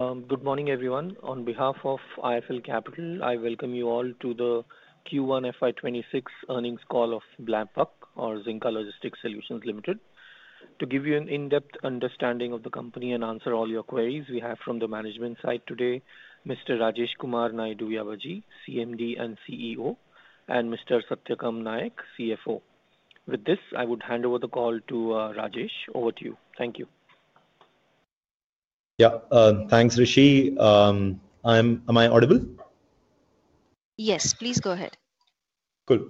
Good morning everyone. On behalf of IIFL Capital, I welcome you all to the Q1FY26 earnings call of BlackBuck or Zinka Logistics Solutions Limited. To give you an in-depth understanding of the company and answer all your queries. We have from the management side today, Mr. Rajesh Kumar Naidu Yabaji, CMD, and CEO, and Mr. Satyakam Naik, Chief Financial Officer. With this, I would hand over the call to Rajesh. Over to you. Thank you. Thank you. Yeah, thanks Rishi. Am I audible? Yes, please go ahead. Cool.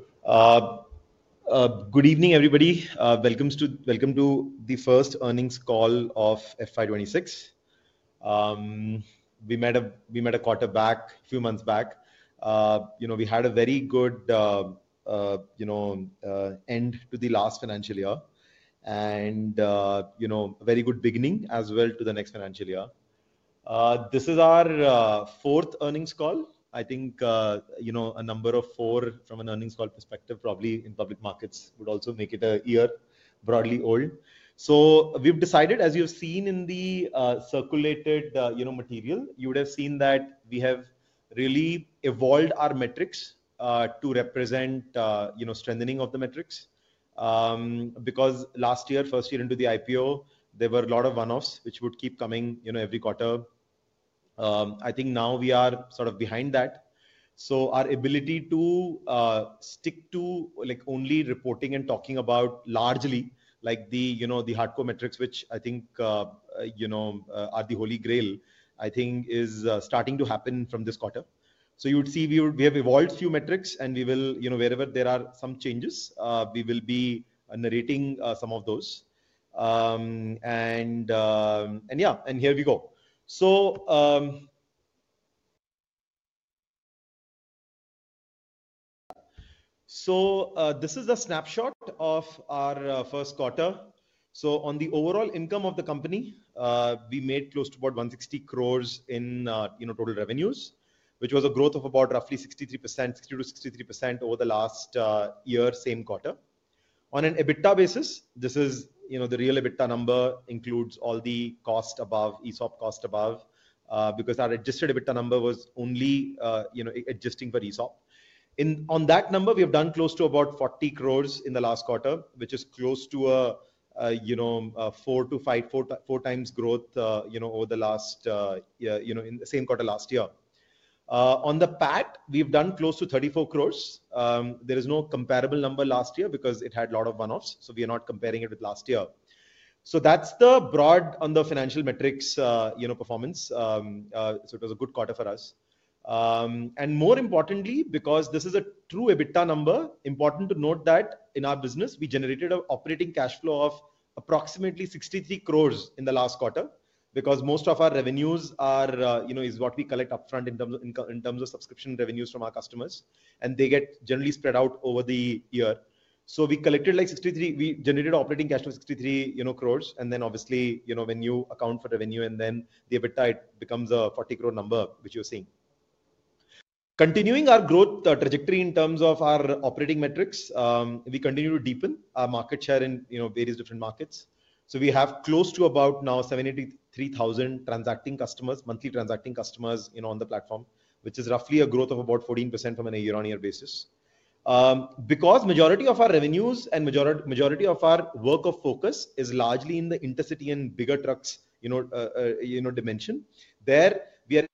Good evening everybody. Welcome to the first earnings call of FY26. We met a quarterback few months back. We had a very good end to the last financial year and a very good beginning as well to the next financial year. This is our fourth earnings call. I think a number of four from an earnings call perspective probably in public markets would also make it a year broadly old. We have decided, as you've seen in the circulated material, you would have seen that we have really evolved our metrics to represent strengthening of the metrics because last year, first year into the IPO there were a lot of one offs which would keep coming every quarter. I think now we are sort of behind that. Our ability to stick to only reporting and talking about largely like the hardcore metrics, which I think are the holy grail, is starting to happen from this quarter. You would see we have evolved few metrics and we will, wherever there are some changes, be narrating some of those. Here we go. This is the snapshot of our first quarter. On the overall income of the company, we made close to about 160 crores in total revenues, which was a growth of about roughly 63% over the last year, same quarter. On an EBITDA basis, this is the real EBITDA number, includes all the cost above, ESOP cost above. Our adjusted EBITDA number was only adjusting for ESOP. On that number we have done close to about 40 crores in the last quarter, which is close to a four to five, four times growth over the last year in the same quarter. On the PAT we've done close to 34 crores. There is no comparable number last year because it had a lot of one offs. We are not comparing it with last year. That's the broad on the financial metrics performance. It was a good quarter for us and more importantly because this is a true EBITDA number. Important to note that in our business we generated an operating cash flow of approximately 63 crores in the last quarter because most of our revenues is what we collect upfront in terms of subscription revenues from our customers and they get generally spread out over the year. We collected like 63 crores. We generated operating cash from 63 crores and then obviously when you account for revenue and then the EBITDA, it becomes a 40 crore number which you're seeing. Continuing our growth trajectory in terms of our operating metrics, we continue to deepen our market share in various different markets. We have close to about 783,000 monthly transacting customers on the platform, which is roughly a growth of about 14% on a year-on-year basis. Because majority of our revenues and majority of our work of focus is largely in the intercity and bigger trucks dimension, we are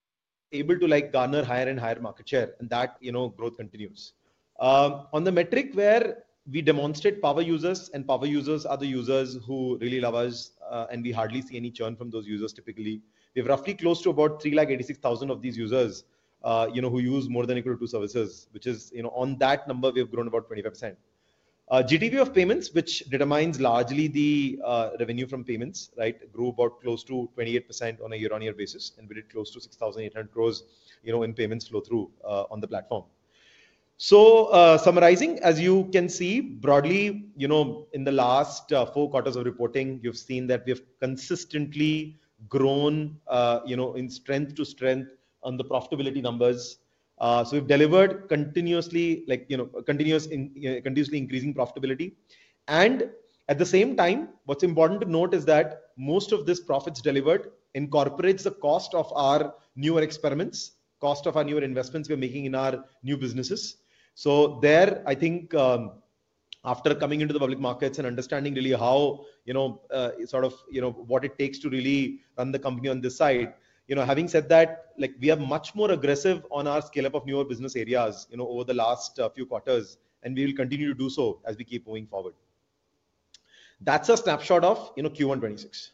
able to garner higher and higher market share and that growth continues on the metric where we demonstrate power users. Power users are the users who really love us, and we hardly see any churn from those users. Typically, we have roughly close to about 386,000 of these users who use more than equal to services, which is on that number we have grown about 25%. GTV of payments, which determines largely the revenue from payments, grew about close to 28% on a year-on-year basis and we did close to 6,800 crore in payments flow through on the platform. Summarizing, as you can see broadly in the last four quarters of reporting, you've seen that we've consistently grown in strength to strength on the profitability numbers. We've delivered continuously increasing profitability. At the same time, what's important to note is that most of this profit delivered incorporates the cost of our newer experiments, cost of our newer investments we're making in our new businesses. After coming into the public markets and understanding really how, you know, sort of, you know, what it takes to really run the company on this side, having said that, we are much more aggressive on our scale up of newer business areas over the last few quarters and we will continue to do so as we keep moving forward. That's a snapshot of Q1 2026.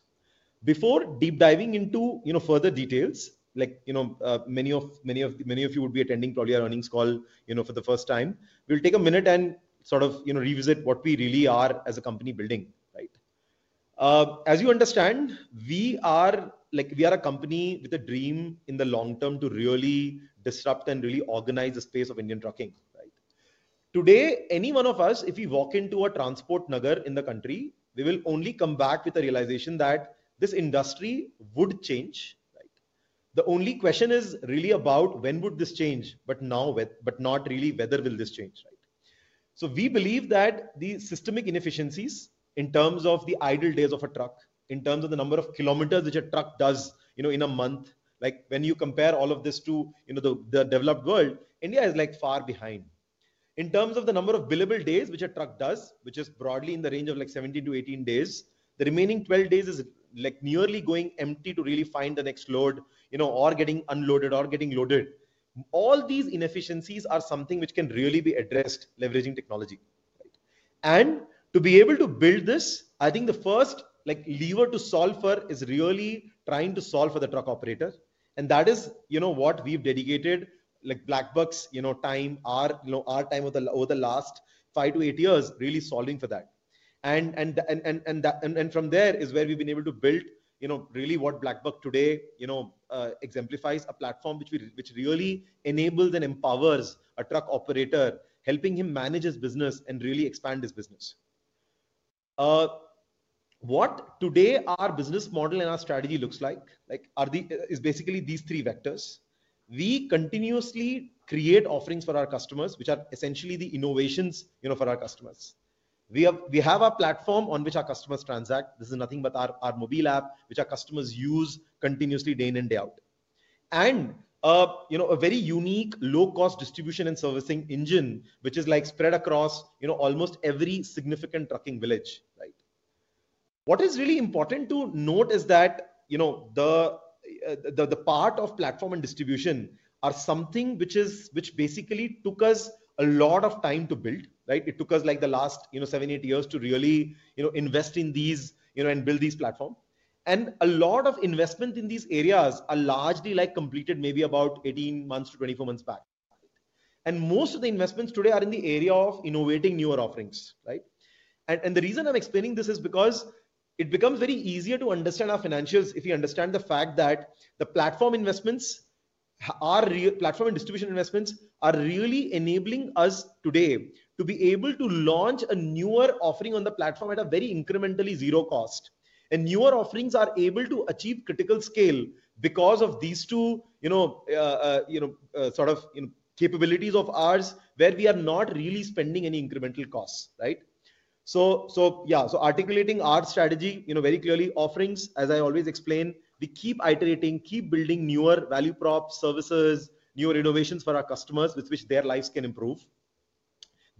Before deep diving into further details, like many of you would be attending probably our earnings call for the first time, we'll take a minute and revisit what we really are as a company building. As you understand, we are a company with a dream in the long term to really disrupt and really organize the space of Indian trucking. Today, any one of us, if we walk into a transport nagar in the country, we will only come back with a realization that this industry would change. The only question is really about when would this change, but not really whether will this change. We believe that the systemic inefficiencies in terms of the idle days of a truck, in terms of the number of kilometers which a truck does in a month, like when you compare all of this to the developed world, India is far behind in terms of the number of billable days which a truck does, which is broadly in the range of 17-18 days. The remaining 12 days is like nearly going empty to really find the next load or getting unloaded or getting loaded. All these inefficiencies are something which can really be addressed leveraging technology. To be able to build this, I think the first lever to solve for is really trying to solve for the truck operators. That is what we've dedicated like BlackBuck's time, our time over the last five to eight years, really solving for that. From there is where we've been able to build really what BlackBuck today exemplifies, a platform which really enables and empowers a truck operator, helping him manage his business and really expand his business. What today our business model and our strategy looks like is basically these three vectors. We continuously create offerings for our customers which are essentially the innovations for our customers. We have our platform on which our customers transact. This is nothing but our mobile app which our customers use continuously day in and day out, and a very unique low-cost distribution and servicing engine which is spread across almost every significant trucking village. What is really important to note is that the part of platform and distribution are something which basically took us a lot of time to build, right? It took us the last seven, eight years to really invest in these and build these platforms. A lot of investment in these areas are largely completed maybe about 18 months-24 months back. Most of the investments today are in the area of innovating newer offerings, right? The reason I'm explaining this is because it becomes very easier to understand our financials if you understand the fact that the platform investments, platform and distribution investments are really enabling us today to be able to launch a newer offering on the platform at a very incrementally zero cost. Newer offerings are able to achieve critical scale because of these two sort of capabilities of ours where we are not really spending any incremental costs, right. So yeah, articulating our strategy, you know very clearly, offerings, as I always explain, we keep iterating, keep building newer value props, services, newer innovations for our customers with which their lives can improve.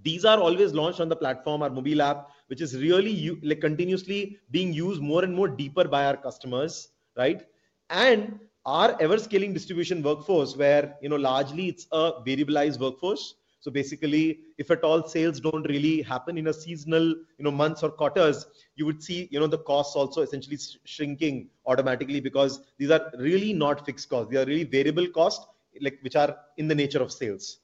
These are always launched on the platform. Our mobile app, which is really continuously being used more and more deeper by our customers, right. Our ever scaling distribution workforce where, you know, largely it's a variableized workforce. Basically, if at all sales don't really happen in a seasonal months or quarters, you would see the costs also essentially shrinking automatically because these are really not fixed costs, they are really variable cost which are in the nature of sales.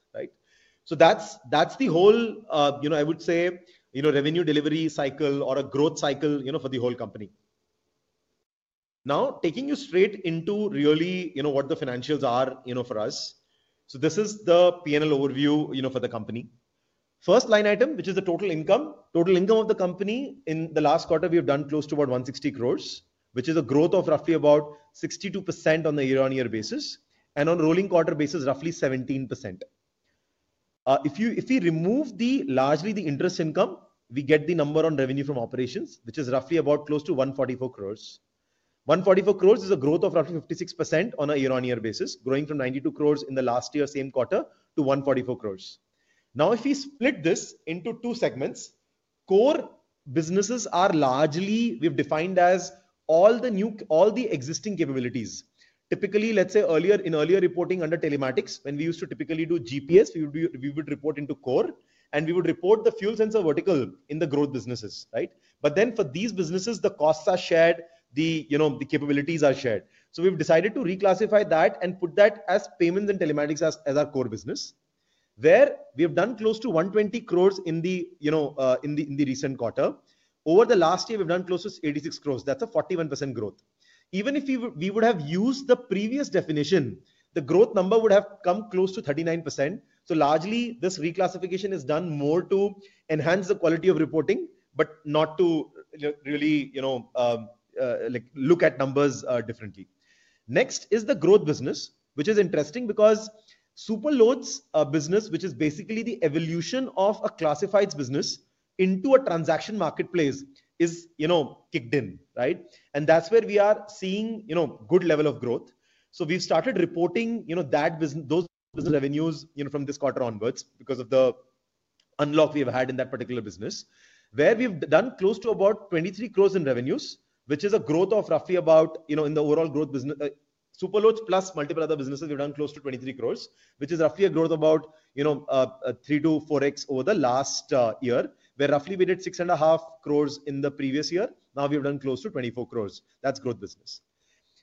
That's the whole, I would say, revenue Delhivery cycle or a growth cycle for the whole company. Now taking you straight into really what the financials are for us. This is the P&L overview for the company. First line item, which is the total income, total income of the company. In the last quarter, we have done close to about 160 crore, which is a growth of roughly about 62% on a year on year basis and on rolling quarter basis roughly 17%. If we remove largely the interest income, we get the number on revenue from operations, which is roughly about close to 144 crore. 144 crore is a growth of roughly 56% on a year on year basis, growing from 92 crore in the last year, same quarter to 144 crore. Now if we split this into two segments, core businesses are largely, we've defined as all the existing capabilities. Typically, let's say in earlier reporting under telematics, when we used to typically do GPS, we would report into core and we would report the fuel sensor vertical in the growth businesses. Right. For these businesses, the costs are shared, the, you know, the capabilities are shared. We've decided to reclassify that and put that as payments and telematics as our core business where we have done close to 120 crore in the, you know, in the recent quarter. Over the last year, we've done close to 86 crore. That's a 41% growth. Even if we would have used the previous definition, the growth number would have come close to 39%. Largely, this reclassification is done more to enhance the quality of reporting but not to really, you know, like look at numbers differently. Next is the growth business which is interesting because SuperLoads business, which is basically the evolution of a classifieds business into a transaction marketplace, is, you know, kicked in, right? That's where we are seeing, you know, good level of growth. We've started reporting, you know, that business, those business revenues, you know, from this quarter onwards because of the unlock we've had in that particular business where we've done close to about 23 crore in revenues, which is a growth of roughly about, you know, in the overall growth business, SuperLoads plus multiple other businesses, we've done close to 23 crore, which is roughly a growth about, you know, 3-4x over the last year where roughly we did 6.5 crore in the previous year. Now we've done close to 24 crore. That's growth business.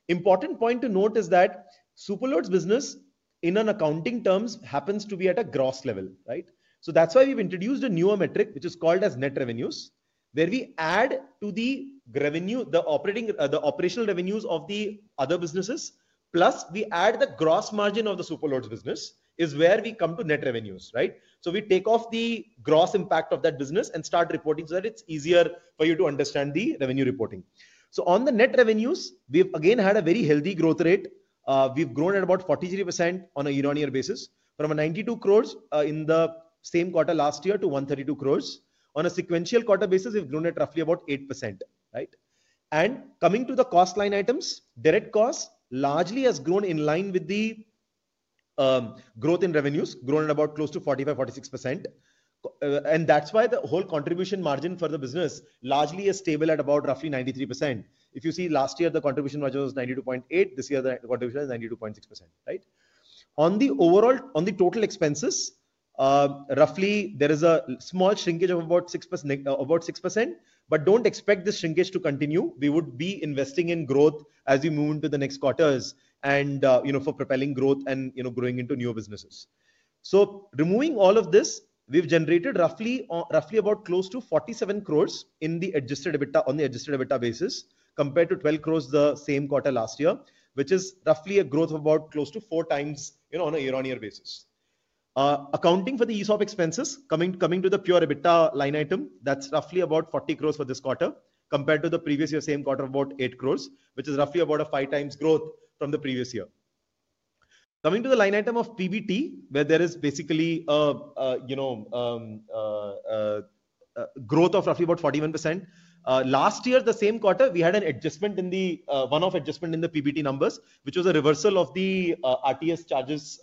Important point to note is that SuperLoads business in accounting terms happens to be at a gross level, right? That's why we've introduced a newer metric which is called as net revenues, where we add to the revenue the operating, the operational revenues of the other businesses plus we add the gross margin of the SuperLoads business is where we come to net revenues, right? We take off the gross impact of that business and start reporting so that it's easier for you to understand the revenue reporting. On the net revenues we've again had a very healthy growth rate. We've grown at about 43% on a year-on-year basis from 92 crore in the same quarter last year to 132 crore. On a sequential quarter basis we've grown at roughly about 8%. Right. Coming to the cost line items, direct cost largely has grown in line with the growth in revenues, grown at about close to 45, 46%. That's why the whole contribution margin for the business largely is stable at about roughly 93%. If you see last year the contribution margin was 92.8%. This year the contribution is 92.6%. Right. On the overall, on the total expenses, roughly there is a small shrinkage of about 6%. Don't expect this shrinkage to continue. We would be investing in growth as we move into the next quarters and for propelling growth and growing into newer businesses. Removing all of this, we've generated roughly about close to 47 crore in the adjusted EBITDA on the adjusted EBITDA basis, compared to 12 crore the same quarter last year, which is roughly a growth of about close to four times on a year on year basis. Accounting for the ESOP expenses coming to the pure EBITDA line item, that's roughly about 40 crore for this quarter compared to the previous year, same quarter about 8 crore, which is roughly about a five times growth from the previous year. Coming to the line item of PBT where there is basically growth of roughly about 41%. Last year, the same quarter we had an adjustment, a one-off adjustment in the PBT numbers, which was a reversal of the RTS charges,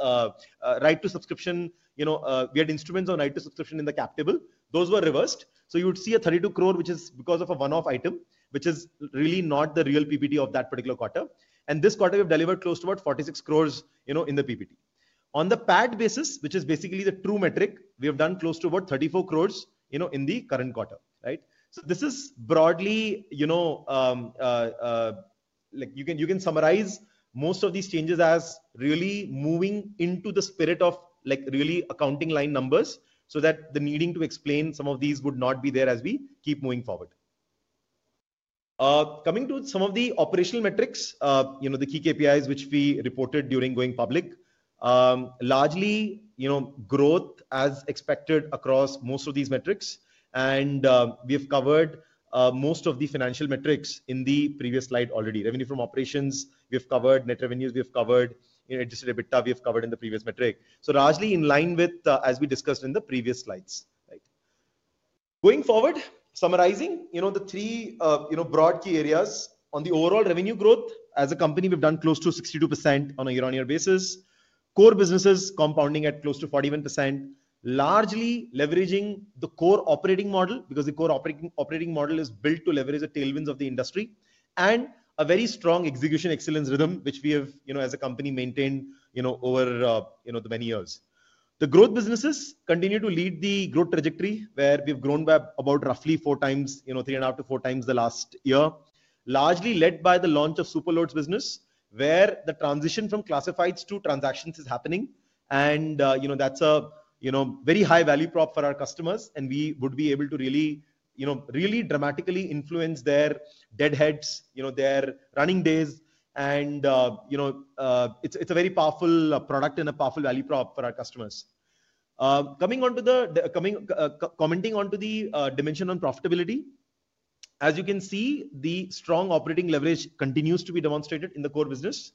right to subscription. We had instruments on right to subscription in the cap table, those were reversed. You would see a 32 crore, which is because of a one-off item, which is really not the real PBT of that particular quarter. This quarter we've delivered close to about 46 crore in the PBT on the PAT basis, which is basically the true metric. We have done close to about 34 crore in the current quarter. This is broadly, you can summarize most of these changes as really moving into the spirit of really accounting line numbers so that the needing to explain some of these would not be there as we keep moving forward. Coming to some of the operational metrics, the key KPIs which we reported during going public, largely growth as expected across most of these metrics, and we have covered most of the financial metrics in the previous slide already. Revenue from operations we have covered, net revenues we have covered, adjusted EBITDA we have covered in the previous metric. Largely in line with as we discussed in the previous slides, going forward, summarizing the three broad key areas on the overall revenue growth as a company, we've done close to 62% on a year on year basis. Core businesses compounding at close to 41%, largely leveraging the core operating model because the core operating model is built to leverage the tailwinds of the industry and a very strong execution excellence rhythm which we have as a company maintained over the many years. The growth businesses continue to lead the growth trajectory where we've grown by about roughly four times, three and a half to four times the last year, largely led by the launch of SuperLoads business where the transition from classifieds to transactions is happening and that's a very high value prop for our customers and we would be able to really dramatically influence their deadheads, their running days. It's a very powerful product and a powerful value prop for our customers. Commenting onto the dimension on profitability, as you can see the strong operating leverage continues to be demonstrated in the core business.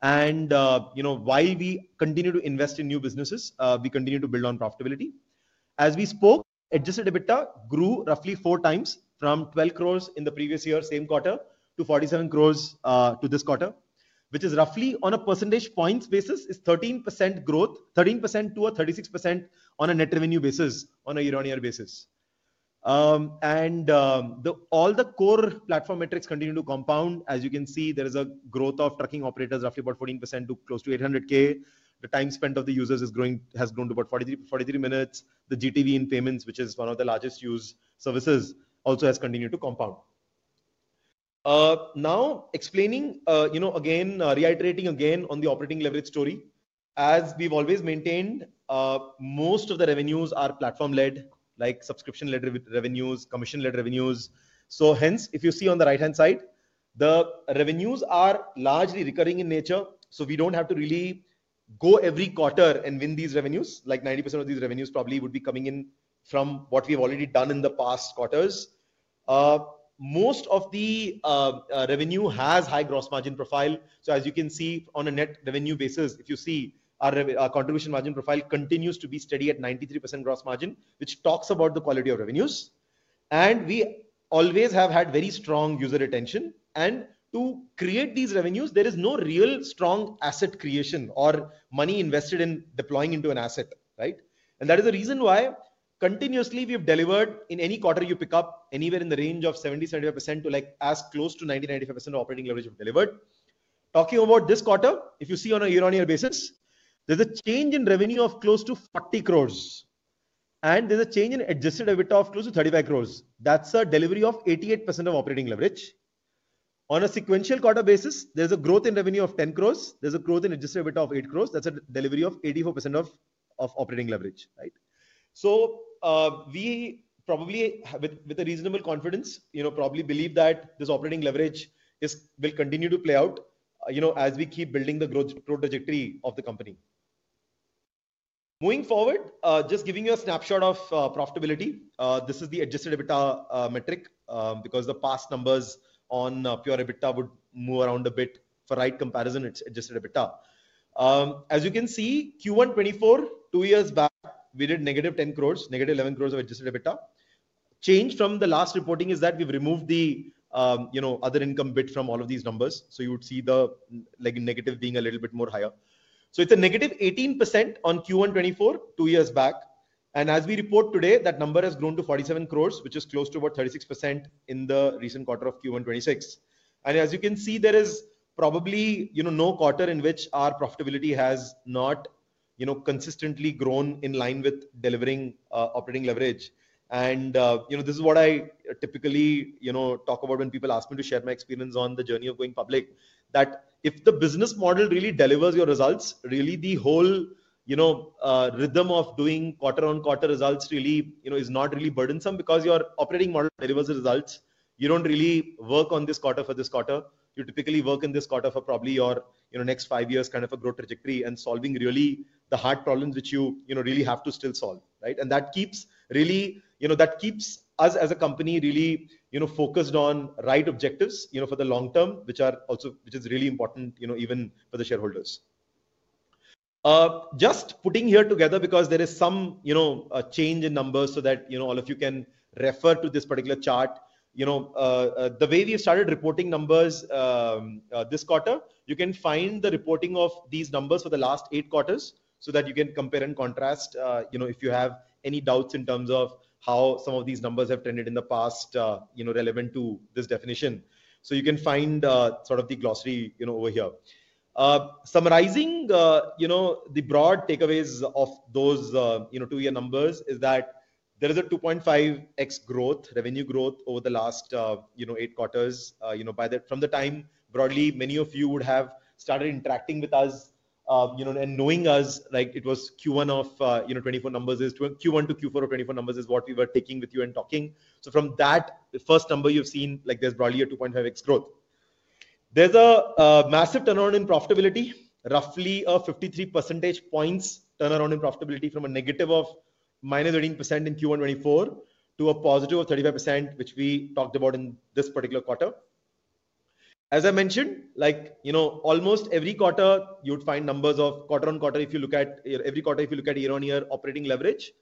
While we continue to invest in new businesses, we continue to build on profitability as we spoke, adjusted EBITDA grew roughly four times from 12 crore in the previous year, same quarter to 47 crore to this quarter, which is roughly on a percentage points basis is 13% growth, 13% to a 36% on a net revenue basis on a year on year basis. All the core platform metrics continue to compound. As you can see, there is a growth of trucking operators roughly about 14% to close to 800,000. The time spent of the users has grown to about 43 minutes. The GTV in payments which is one of the largest used services also has continued to compound. Now explaining, you know, again reiterating again on the operating leverage story, as we've always maintained, most of the revenues are platform-led, like subscription-led revenues, commission-led revenues. Hence if you see on the right hand side, the revenues are largely recurring in nature. We don't have to really go every quarter and win these revenues. Like 90% of these revenues probably would be coming in from what we've already done in the past quarters. Most of the revenue has high gross margin profile. As you can see on a net revenue basis, if you see our contribution margin profile continues to be steady at 93% gross margin, which talks about the quality of revenues. We always have had very strong user retention. To create these revenues there is no real strong asset creation or money invested in deploying into an asset. That is the reason why continuously we have delivered in any quarter, you pick up anywhere in the range of 70, 75% to like as close to 90, 95% operating leverage we've delivered. Talking about this quarter, if you see on a year-on-year basis, there's a change in revenue of close to 40 crore and there's a change in adjusted EBITDA of close to 35 crore. That's a Delhivery of 88% of operating leverage. On a sequential quarter basis, there's a growth in revenue of 10 crore. There's a growth in adjusted EBITDA of 8 crore. That's a Delhivery of 84% of operating leverage. We probably, with a reasonable confidence, believe that this operating leverage will continue to play out as we keep building the growth trajectory of the company moving forward. Just giving you a snapshot of profitability. This is the adjusted EBITDA metric because the past numbers on pure EBITDA would move around a bit. For right comparison, it's adjusted EBITDA. As you can see, Q1 2024, two years back we did negative 10 crore, negative 11 crore of adjusted EBITDA. Change from the last reporting is that we've removed the other income bit from all of these numbers. You would see the negative being a little bit higher. It's a negative 18% on Q1 2024 two years back. As we report today, that number has grown to 47 crore, which is close to about 36% in the recent quarter of Q1 2026. As you can see, there is probably no quarter in which our profitability has not consistently grown in line with delivering operating leverage. This is what I typically talk about when people ask me to share my experience on the journey of going public, that if the business model really delivers your results, really the whole rhythm of doing quarter-on-quarter results is not really burdensome because your operating model delivers results. You don't really work on this quarter for this quarter. You typically work in this quarter for probably your next five years kind of a growth trajectory and solving really the hard problems which you really have to still solve. That keeps us as a company really focused on the right objectives for the long term, which is really important even for the shareholders. Just putting here together because there is some change in numbers so that all of you can refer to this particular chart, the way we started reporting numbers this quarter. You can find the reporting of these numbers for the last eight quarters so that you can compare and contrast if you have any doubts in terms of how some of these numbers have trended in the past, relevant to this definition. You can find the glossary over here summarizing the broad takeaways of those two-year numbers. There is a 2.5x revenue growth over the last eight quarters. From the time broadly many of you would have started interacting with us and knowing us, like it was Q1 of 2024 numbers, Q1-Q4 of 2024 numbers is what we were taking with you and talking. From that, the first number you've seen, there's probably a 2.5x growth. There's a massive turnaround in profitability, roughly a 53% turnaround in profitability from a negative of -18% in Q1 2024 to a positive of 35%, which we talked about in this particular quarter. As I mentioned, almost every quarter you'd find numbers of quarter on quarter. If you look at every quarter, if you look at year on year operating leverage,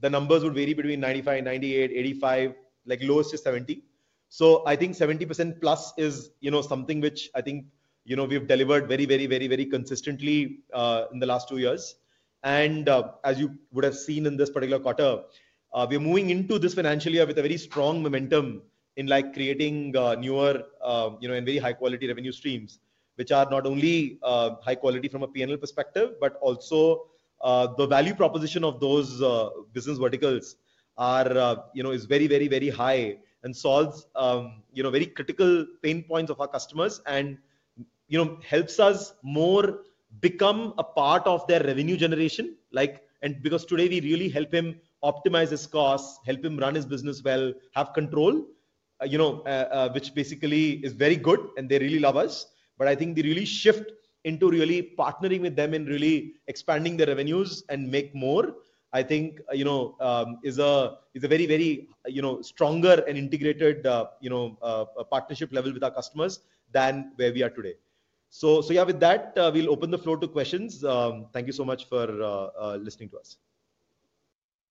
the numbers would vary between 95, 98, 85 like lowest is 70. I think 70% plus is something which I think we've delivered very, very, very, very consistently in the last two years. As you would have seen in this particular quarter, we are moving into this financial year with a very strong momentum in creating newer and very high-quality revenue streams, which are not only high quality from a P&L perspective but also the value proposition of those business verticals is very, very, very high and solves very critical pain points of our customers and helps us more become a part of their revenue generation. Because today we really help him optimize his costs, help him run his business well, have control, which basically is very good and they really love us. I think the real shift into really partnering with them and really expanding their revenues and make more, I think, is a very, very stronger and integrated partnership level with our customers than where we are today. With that, we'll open the floor to questions. Thank you so much for listening to us.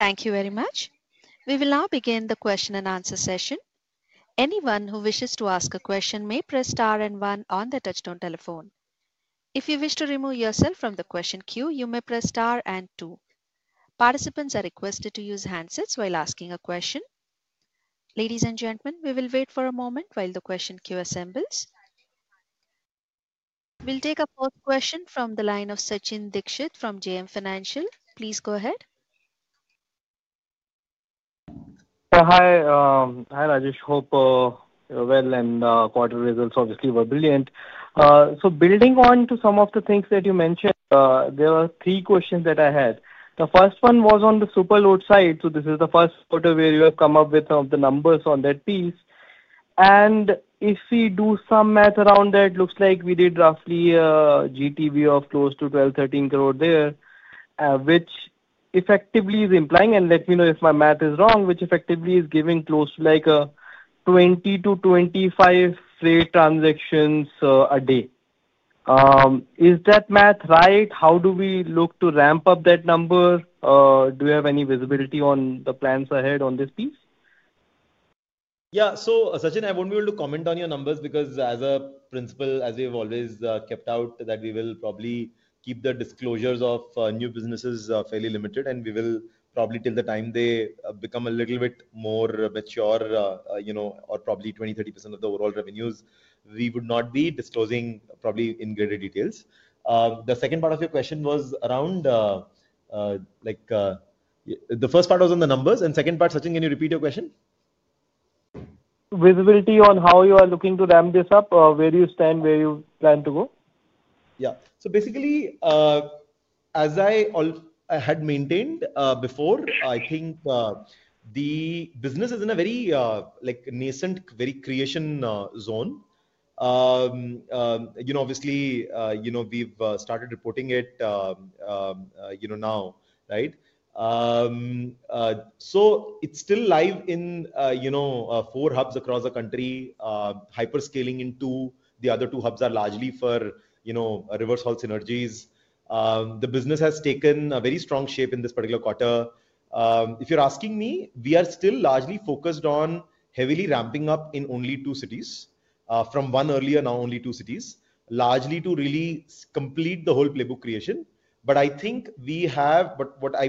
Thank you very much. We will now begin the question and answer session. Anyone who wishes to ask a question may press * and 1 on the touch-tone telephone. If you wish to remove yourself from the question queue, you may press * and 2. Participants are requested to use handsets while asking a question. Ladies and gentlemen, we will wait for a moment while the question queue assembles. We'll take a fourth question from the line of Sachin Dixit from JM Financial. Please go ahead. Hi Rajesh, hope you're well. The quarter results obviously were brilliant. Building on to some of the things that you mentioned, there were three questions that I had. The first one was on the SuperLoads side. This is the first quarter where you have come up with all the numbers on that piece. If we do some math around that, it looks like we did roughly GTV of close to 1,213 crore there, which effectively is implying, and let me know if my math is wrong, which effectively is giving close to like 20-25 freight transactions a day. Is that math right? How do we look to ramp up that number? Do you have any visibility on the plans ahead on this piece? Yeah. So Sachin, I won't be able to comment on your numbers because as a principle, as we've always kept out that we will probably keep the disclosures of new businesses fairly limited and we will probably till the time they become a little bit more mature, you know, or probably 20, 30% of the overall revenues. We would not be disclosing probably in greater details. The second part of your question was around like the first part was on the numbers and second part. Sachin, can you repeat your question? Visibility on how you are looking to ramp this up? Where do you stand, where you plan to go? Yeah, so basically as I had maintained before, I think the business is in a very nascent, very creation zone. Obviously, we've started reporting it now. Right. It's still live in four hubs across the country, hyper-scaling in two. The other two hubs are largely for reverse haul synergies. The business has taken a very strong shape in this particular quarter. If you're asking me, we are still largely focused on heavily ramping up in only two cities from one earlier, now only two cities largely to really complete the whole playbook creation. What I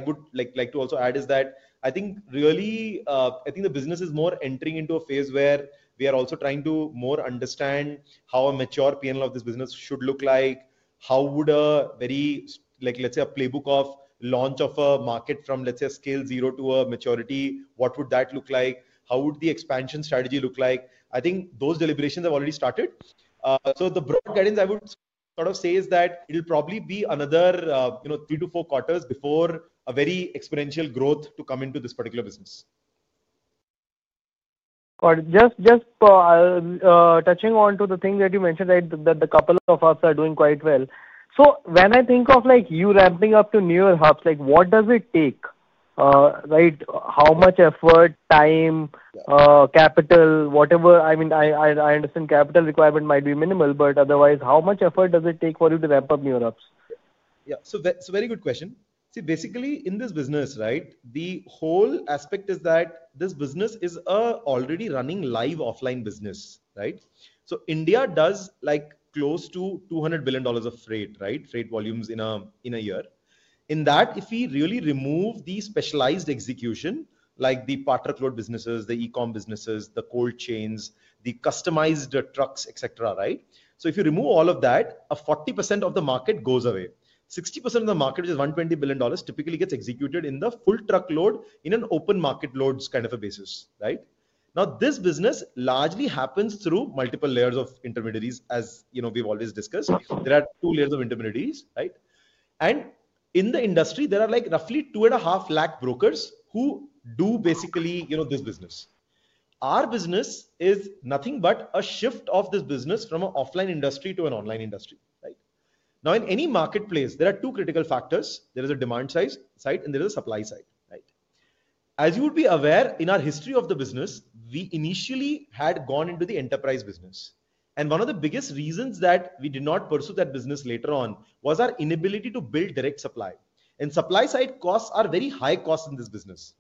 would like to also add is that I think the business is more entering into a phase where we are also trying to more understand how a mature P&L of this business should look like. How would a playbook of launch of a market from scale zero to a maturity, what would that look like? How would the expansion strategy look like? I think those deliberations have already started. The broad guidance I would sort of say is that it'll probably be another three to four quarters before a very exponential growth to come into this particular business. Just touching on to the thing that you mentioned that a couple of us are doing quite well. When I think of you ramping up to newer hubs, what does it take, how much effort, time, capital, whatever. I mean I understand capital requirement might be minimal, but otherwise how much effort does it take for you to ramp up new hubs? Yeah, so very good question. See, basically in this business, the whole aspect is that this business is already running live offline business, right? India does like close to $200 billion of freight, right? Freight volumes in a year. In that, if we really remove the specialized execution like the partner load businesses, the E-com businesses, the cold chains, the customized trucks, etc., if you remove all of that, 40% of the market goes away. 60% of the market, which is $120 billion, typically gets executed in the full truckload in an open market loads kind of a basis. Now this business largely happens through multiple layers of intermediaries. As you know, we've always discussed, there are two layers of intermediaries. In the industry, there are like roughly 250,000 brokers who do basically, you know, this business. Our business is nothing but a shift of this business from an offline industry to an online industry. In any marketplace, there are two critical factors. There is a demand side and there is a supply side. As you would be aware, in our history of the business, we initially had gone into the enterprise business and one of the biggest reasons that we did not pursue that business later on was our inability to build direct supply. Supply side costs are very high costs in this business,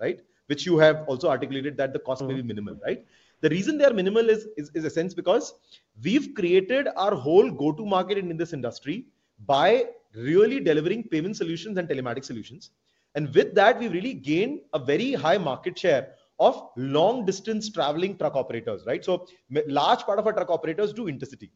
which you have also articulated that the cost may be minimal. The reason they're minimal is a sense because we've created our whole go-to-market in this industry by really delivering payment solutions and telematics solutions. With that, we really gained a very high market share of long distance traveling truck operators. A large part of our truck operators do intercity.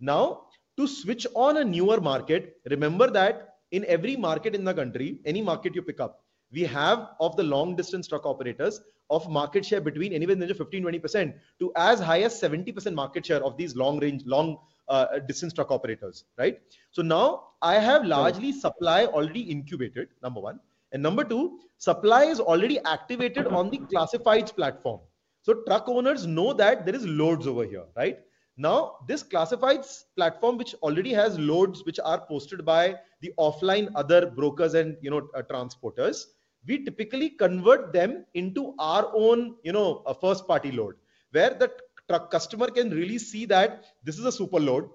Now, to switch on a newer market, remember that in every market in the country, any market you pick up, we have of the long distance truck operators a market share between anywhere near 15%, 20% to as high as 70% market share of these long range long distance truck operators. Now I have largely supply already incubated, number one, and number two, supply is already activated on the classifieds platform. Truck owners know that there are loads over here. This classifieds platform, which already has loads which are posted by the offline other brokers and transporters, we typically convert them into our own first party load where the customer can really see that this is a SuperLoads.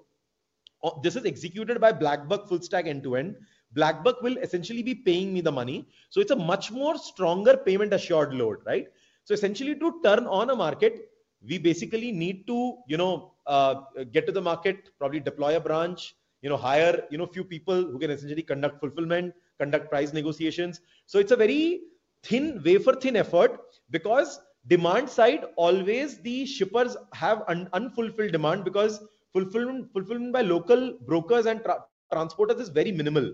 This is executed by BlackBuck, full stack, end to end. BlackBuck will essentially be paying me the money. It is a much more stronger payment assured load, right? To turn on a market, we basically need to get to the market, probably deploy a branch, hire few people who can essentially conduct fulfillment, conduct price negotiations. It is a very thin, wafer thin effort because demand side always, the shippers have unfulfilled demand because fulfillment by local brokers and trucks, transporters is very minimal.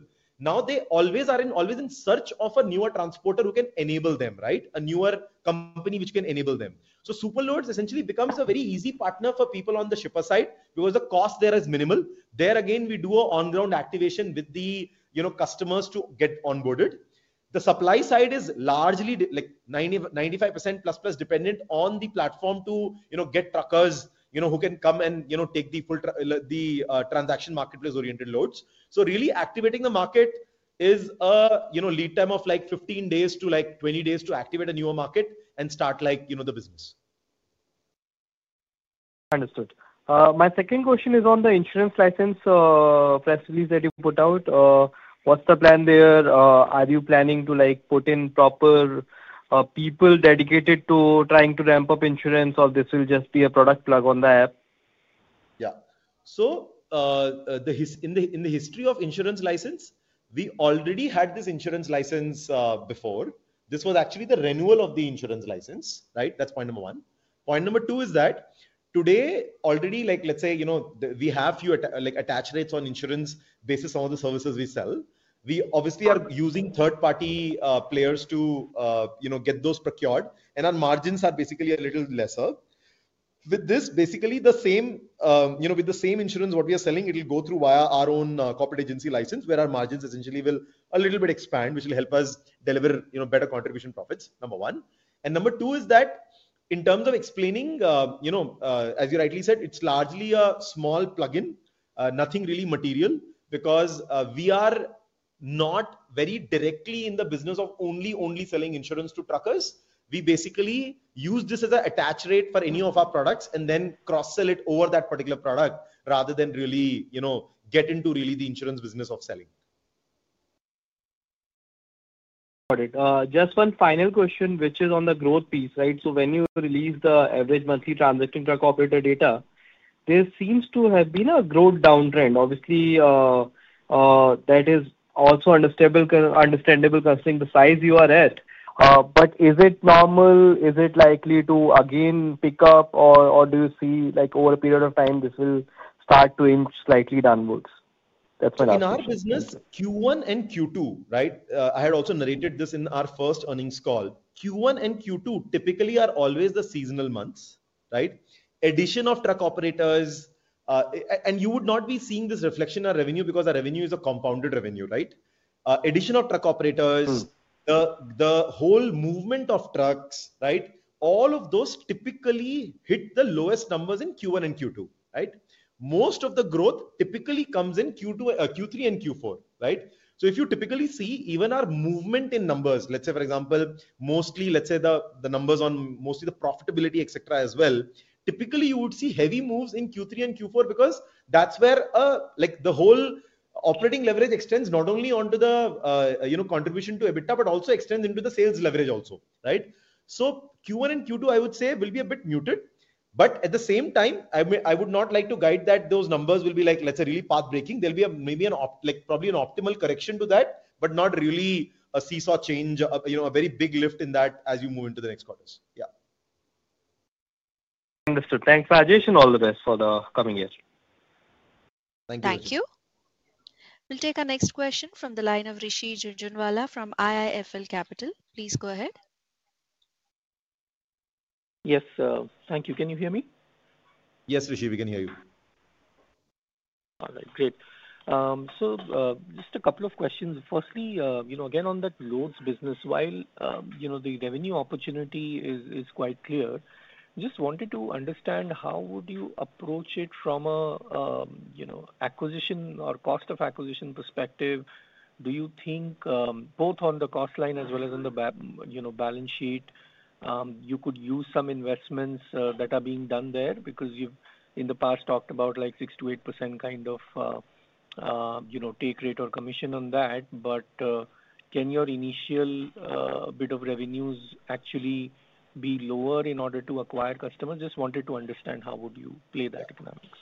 They always are in, always in search of a newer transporter who can enable them, right? A newer company which can enable them. SuperLoads essentially becomes a very easy partner for people on the shipper side because the cost there is minimal. There again, we do an on ground activation with the customers to get onboarded. The supply side is largely like 90%, 95% plus plus dependent on the platform to get truckers who can come and take the full, the transaction marketplace oriented loads. Really activating the market is a lead time of like 15 days to like 20 days to activate a newer market and start the business. Understood. My second question is on the insurance corporate agency license press release that you put out. What's the plan there? Are you planning to put in proper people dedicated to trying to ramp up insurance, or this will just be a product plug on the app? Yeah. In the history of insurance license, we already had this insurance license before. This was actually the renewal of the insurance license. That's point number one. Point number two is that today already, like let's say, you know, we have few attach rates on insurance based on the services we sell. We obviously are using third party players to get those procured, and our margins are basically a little lesser with this. Basically, with the same insurance, what we are selling, it'll go through via our own insurance corporate agency license where our margins essentially will a little bit expand, which will help us deliver better contribution profits, number one. Number two is that in terms of explaining, as you rightly said, it's largely a small plugin, nothing really material. We are not very directly in the business of only selling insurance to truckers. We basically use this as an attach rate for any of our products and then cross sell it over that particular product rather than really get into the insurance business of selling. Got it. Just one final question, which is on the growth piece, right? When you release the average monthly transacting truck operator data, there seems to have been a growth downtrend. Obviously, that is also understandable considering the size you are asked. But is it normal? Is it likely to again pick up, or do you see like over a period of time this will start to inch slightly downwards. In our business Q1 and Q2. Right. I had also narrated this in our first earnings call. Q1 and Q2 typically are always the seasonal months. Addition of truck operators. You would not be seeing this reflection in our revenue because our revenue is a compounded revenue. Addition of truck operators, the whole movement of trucks, all of those typically hit the lowest numbers in Q1 and Q2. Most of the growth typically comes in Q3 and Q4. If you typically see even our movement in numbers, for example, mostly the numbers on mostly the profitability, etc., as well, typically you would see heavy moves in Q3 and Q4 because that's where the whole operating leverage extends not only onto the contribution to EBITDA, but also extends into the sales leverage also. Q1 and Q2 I would say will be a bit muted, but at the same time, I would not like to guide that those numbers will be really path breaking. There'll be maybe probably an optimal correction to that, but not really a seesaw change. A very big lift in that as you move into the next quarter. Understood. Thanks, Rajesh. And all the best for the coming years. Thank you. Thank you. We'll take our next question from the line of Rishi Jhunjhunwala from IIFL Capital. Please go ahead. Yes, thank you. Can you hear me? Yes, Rishi, we can hear you. All right, great. Just a couple of questions. Firstly, again, on that loads business, while the revenue opportunity is quite clear, just wanted to understand how would you approach it from an acquisition or cost of acquisition perspective. Do you think both on the cost line as well as on the balance sheet, you could use some investments that are being done there because you've in the past talked about 6%-8% kind of take rate or commission on that. Can your initial bit of revenues actually be lower in order to acquire customers? Just wanted to understand how would you play that economics.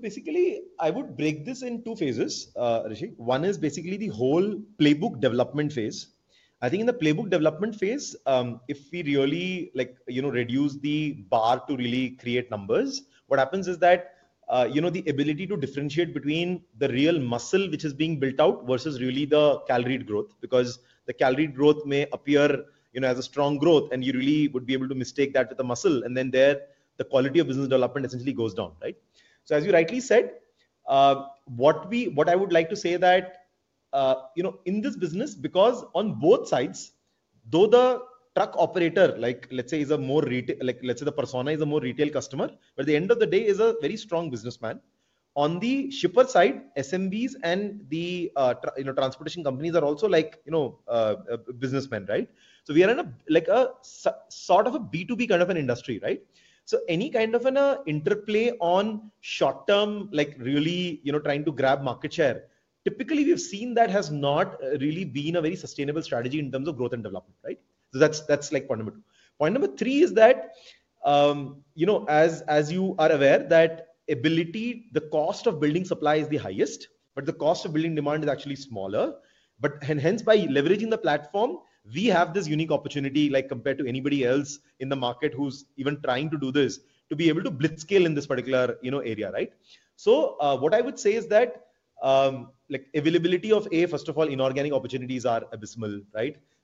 Basically, I would break this in two phases, Rishi. One is basically the whole playbook development phase. I think in the playbook development phase, if we really, like, you know, reduce the bar to really create numbers, what happens is that, you know, the ability to differentiate between the real muscle which is being built out versus really the calorie growth. The calorie growth may appear as a strong growth and you really would be able to mistake that with a muscle, and then the quality of business development essentially goes down. As you rightly said, what I would like to say is that in this business, because on both sides, though the truck operator, let's say, is a more retail, let's say the persona is a more retail customer, but at the end of the day is a very strong businessman. On the shipper side, SMBs and the transportation companies are also like businessmen. Right. We are in a sort of a B2B kind of an industry. Any kind of an interplay on short term, like really, you know, trying to grab market share, typically we've seen that has not really been a very sustainable strategy in terms of growth and development. That's point number two. Point number three is that, you know, as you are aware, the cost of building supply is the highest, but the cost of building demand is actually smaller. Hence, by leveraging the platform, we have this unique opportunity, like compared to anybody else in the market who's even trying to do this, to be able to blitzscale in this particular area. What I would say is that availability of, first of all, inorganic opportunities are abysmal.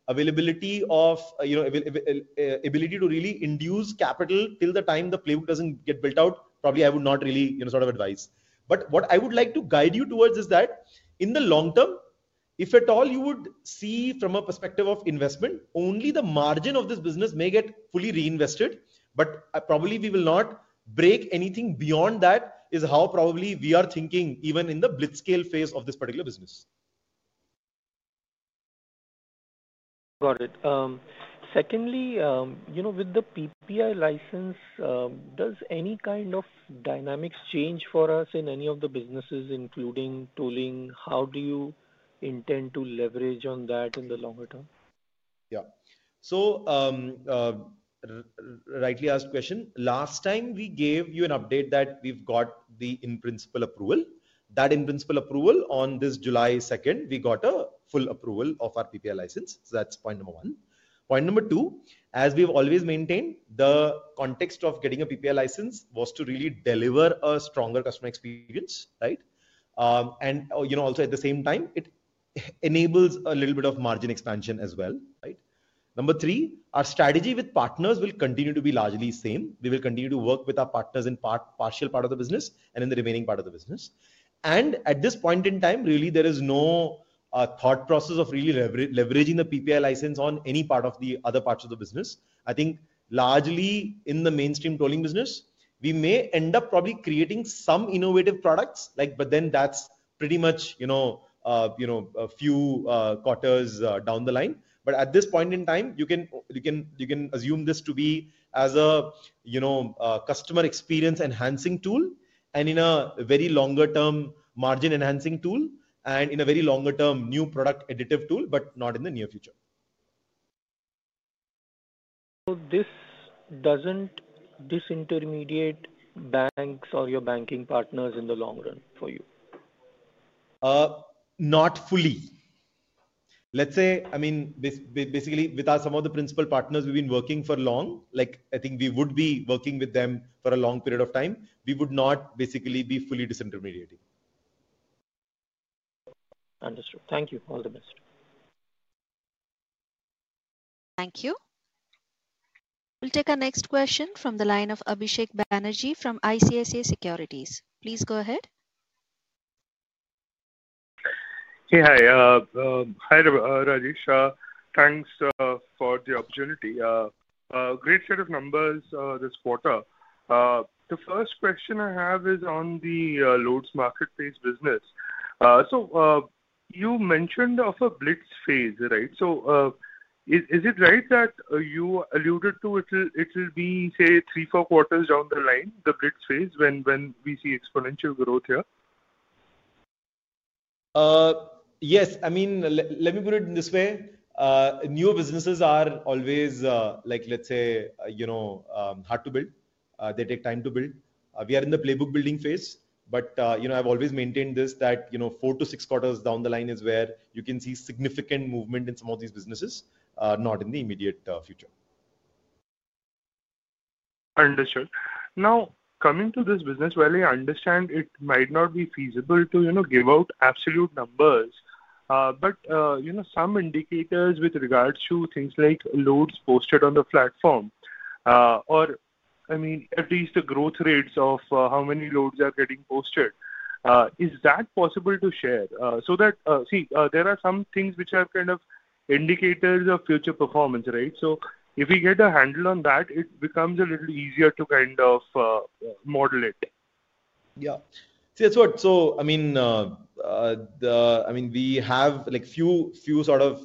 Availability of ability to really induce capital till the time the playbook doesn't get built out, probably I would not really sort of advise, but what I would like to guide you towards is that in the long term, if at all, you would see from a perspective of investment, only the margin of this business may get fully reinvested. Probably we will not break anything beyond that is how probably we are thinking even in the blitzscale phase of this particular business. Got it. Secondly, you know, with the PPI license, does any kind of dynamics change for us in any of the businesses, including tooling? How do you intend to leverage on that in the longer term? Yeah, so rightly asked question. Last time we gave you an update that we've got the in-principle approval. That in-principle approval, on July 2nd, we got a full approval of our PPI license. That's point number one. Point number two, as we've always maintained, the context of getting a PPI license was to really deliver a stronger customer experience, right. You know, also at the same time it enables a little bit of margin expansion as well, right. Number three, our strategy with partners will continue to be largely the same. We will continue to work with our partners in part, partial part of the business, and in the remaining part of the business. At this point in time, really there is no thought process of really leveraging the PPI license on any part of the other parts of the business. I think largely in the mainstream trolling business, we may end up probably creating some innovative products, but that's pretty much a few quarters down the line. At this point in time, you can assume this to be as a customer experience enhancing tool and in a very longer term margin enhancing tool, and in a very longer term new product additive tool, but not in the near future. This doesn't disintermediate banks or your banking partners in the long run for you. Not fully, let's say. Basically, with some of the principal partners we've been working for long, I think we would be working with them for a long period of time. We would not basically be fully disintermediating. Understood. Thank you. All the best. Thank you. We'll take our next question from the line of Abhishek Banerjee from IIFL Capital. Please go ahead. Hi, Rajesh. Thanks for the opportunity. A great set of numbers this quarter. The first question I have is on the Loads Marketplace business. You mentioned a blitz phase. Is it right that you alluded to it will be, say, three, four quarters down the line, the BRICS phase when we see exponential growth here? Yes. Let me put it in this way. New businesses are always, let's say, hard to build. They take time to build. We are in the playbook building phase. I've always maintained this, that four to six quarters down the line is where you can see significant movement in some of these businesses, not in the immediate future. Understood. Now coming to this business, I understand it might not be feasible to give out absolute numbers, but some indicators with regards to things like loads posted on the platform or at least the growth rates of how many loads are getting posted, is that possible to share? There are some things which have kind of indicators of future performance. If we get a handle on that, it becomes a little easier to kind of model it. Yeah, that's what. I mean, we have a few sort of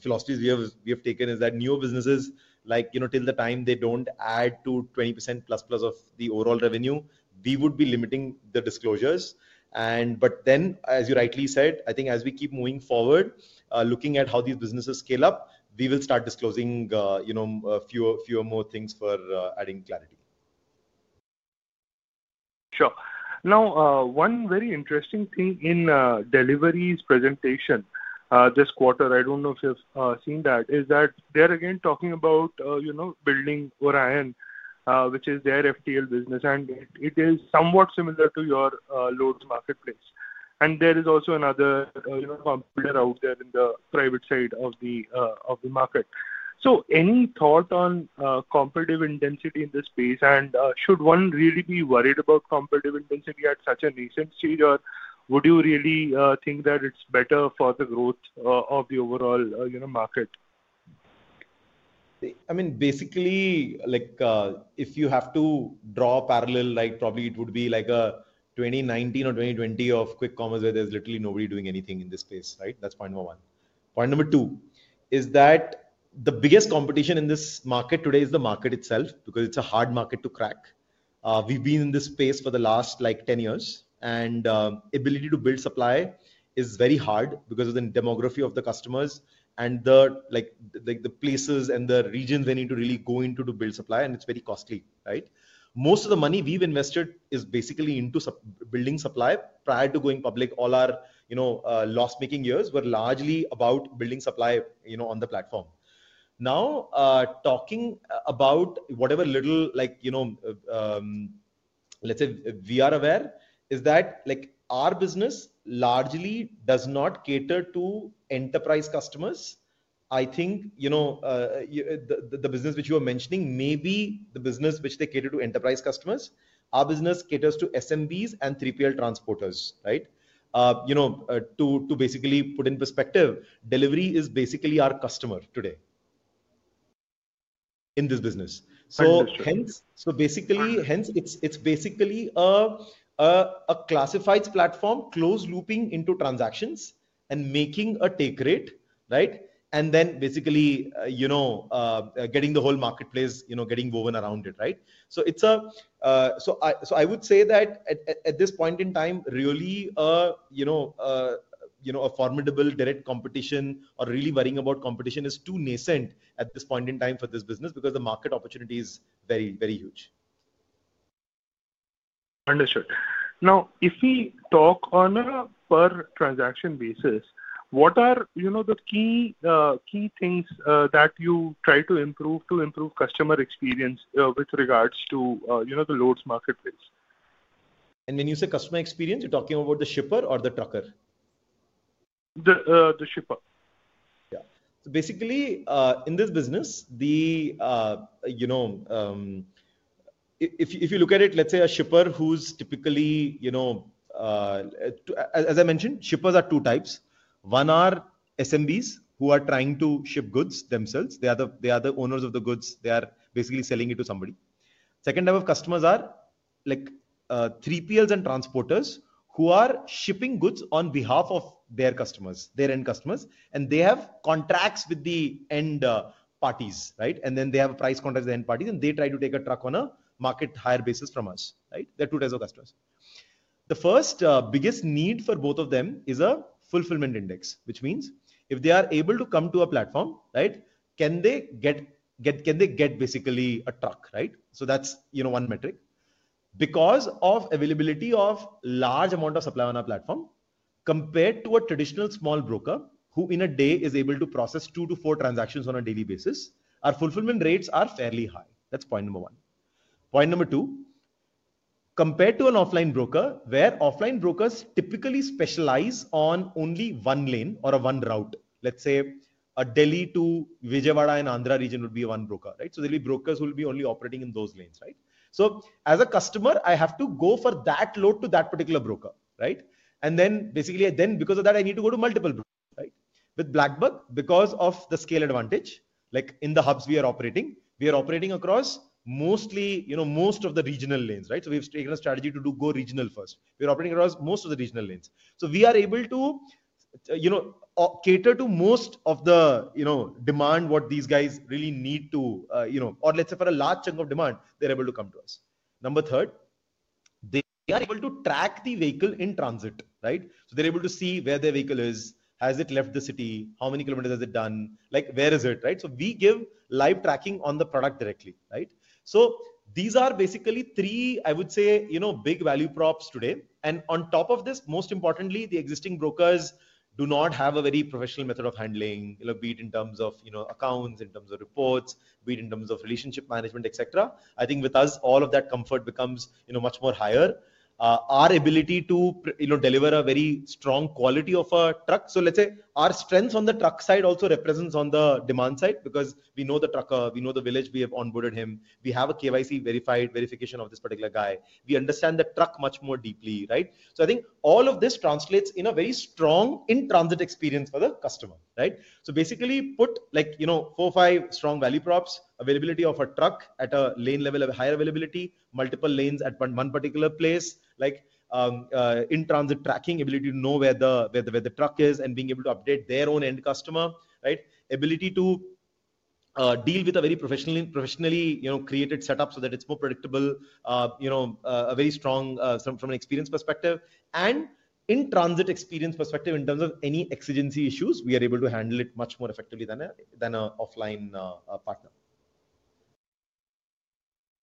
philosophies we have taken is that new businesses, till the time they don't add to 20% plus of the overall revenue, we would be limiting the disclosures. As you rightly said, I think as we keep moving forward, looking at how these businesses scale up, we will start disclosing a few more things for adding clarity. Sure. Now, one very interesting thing in Delhivery's presentation this quarter, I don't know if you've seen that, is that they're again talking about, you know, building Orion, which is their full truckload (FTL) business. It is somewhat similar to your SuperLoads Marketplace. There is also another competitor out there in the private side of the market. Any thought on competitive intensity in this space? Should one really be worried about competitive intensity at such a recent stage, or would you really think that it's better for the growth of the overall market? I mean, basically, if you have to draw a parallel, it would be like a 2019 or 2020 of quick commerce where there's literally nobody doing anything in this space. That's point number one. Point number two is that the biggest competition in this market today is the market itself because it's a hard market to crack. We've been in this space for the last 10 years, and ability to build supply is very hard because of the demography of the customers and the places and the regions they need to really go into to build supply. It's very costly. Most of the money we've invested is basically into building supply. Prior to going public, all our loss-making years were largely about building supply on the platform. Now, talking about whatever little, let's say, we are aware is that our business largely does not cater to enterprise customers. I think the business which you are mentioning may be the business which they cater to enterprise customers. Our business caters to SMBs and 3PL transporters. To basically put in perspective, Delhivery is basically our customer today in this business. Hence, it's basically a classifieds platform, closed looping into transactions and making a take rate, and then getting the whole marketplace getting woven around it. I would say that at this point in time, really, a formidable direct competition or really worrying about competition is too nascent at this point in time for this business because the market opportunity is very, very huge. Understood. Now if we talk on a per transaction basis, what are the key, key things that you try to improve to improve customer experience with regards to the loads. When you say customer experience, you're talking about the shipper or the trucker. The shipper, yeah. Basically in this business, if you look at it, let's say a shipper who's typically, as I mentioned, shippers are two types. One are SMBs who are trying to ship goods themselves. They are the owners of the goods, they are basically selling it to somebody. The second type of customers are like 3PLs and transporters who are shipping goods on behalf of their customers, their end customers, and they have contracts with the end parties. They have a price contract with the end parties and they try to take a truck on a market hire basis from us. There are two types of customers. The first biggest need for both of them is a fulfillment index, which means if they are able to come to a platform, can they get basically a truck? That's one metric. Because of availability of large amount of supply on our platform compared to a traditional small broker who in a day is able to process two to four transactions on a daily basis, our fulfillment rates are fairly high. That's point number one. Point number two, compared to an offline broker where offline brokers typically specialize on only one lane or one route, let's say a Delhi to Vijayawada and Andhra region would be one broker. There will be brokers who will be only operating in those lanes. As a customer I have to go for that load to that particular broker, and then because of that I need to go to multiple brokers. With BlackBuck, because of the scale advantage, like in the hubs we are operating, we are operating across mostly most of the regional lanes. We've taken a strategy to go regional. First, we're operating across most of the regional lanes so we are able to cater to most of the demand. What these guys really need, or let's say for a large chunk of demand, they're able to come to us. Number third, they are able to track the vehicle in transit. They're able to see where their vehicle is, has it left the city, how many kilometers has it done, where is it. We give live tracking on the product directly. These are basically three, I would say, big value props today. Most importantly, the existing brokers do not have a very professional method of handling, be it in terms of accounts, in terms of reports, in terms of relationship management, etc. I think with us, all of that comfort becomes much more higher. Our ability to deliver a very strong quality of a truck. Let's say our strength on the truck side also represents on the demand side because we know the trucker, we know the village, we have onboarded him, we have a KYC verified verification of this particular guy, we understand the truck much more deeply, right? I think all of this translates in a very strong in transit experience for the customer, right? Basically put, like you know, four or five strong value props: availability of a truck at a lane level of higher availability, multiple lanes at one particular place, like in transit tracking, ability to know where the truck is and being able to update their own end customer, right? Ability to deal with a very professionally created setup so that it's more predictable. A very strong experience perspective and in transit experience perspective in terms of any exigency issues, we are able to handle it much more effectively than an offline partner.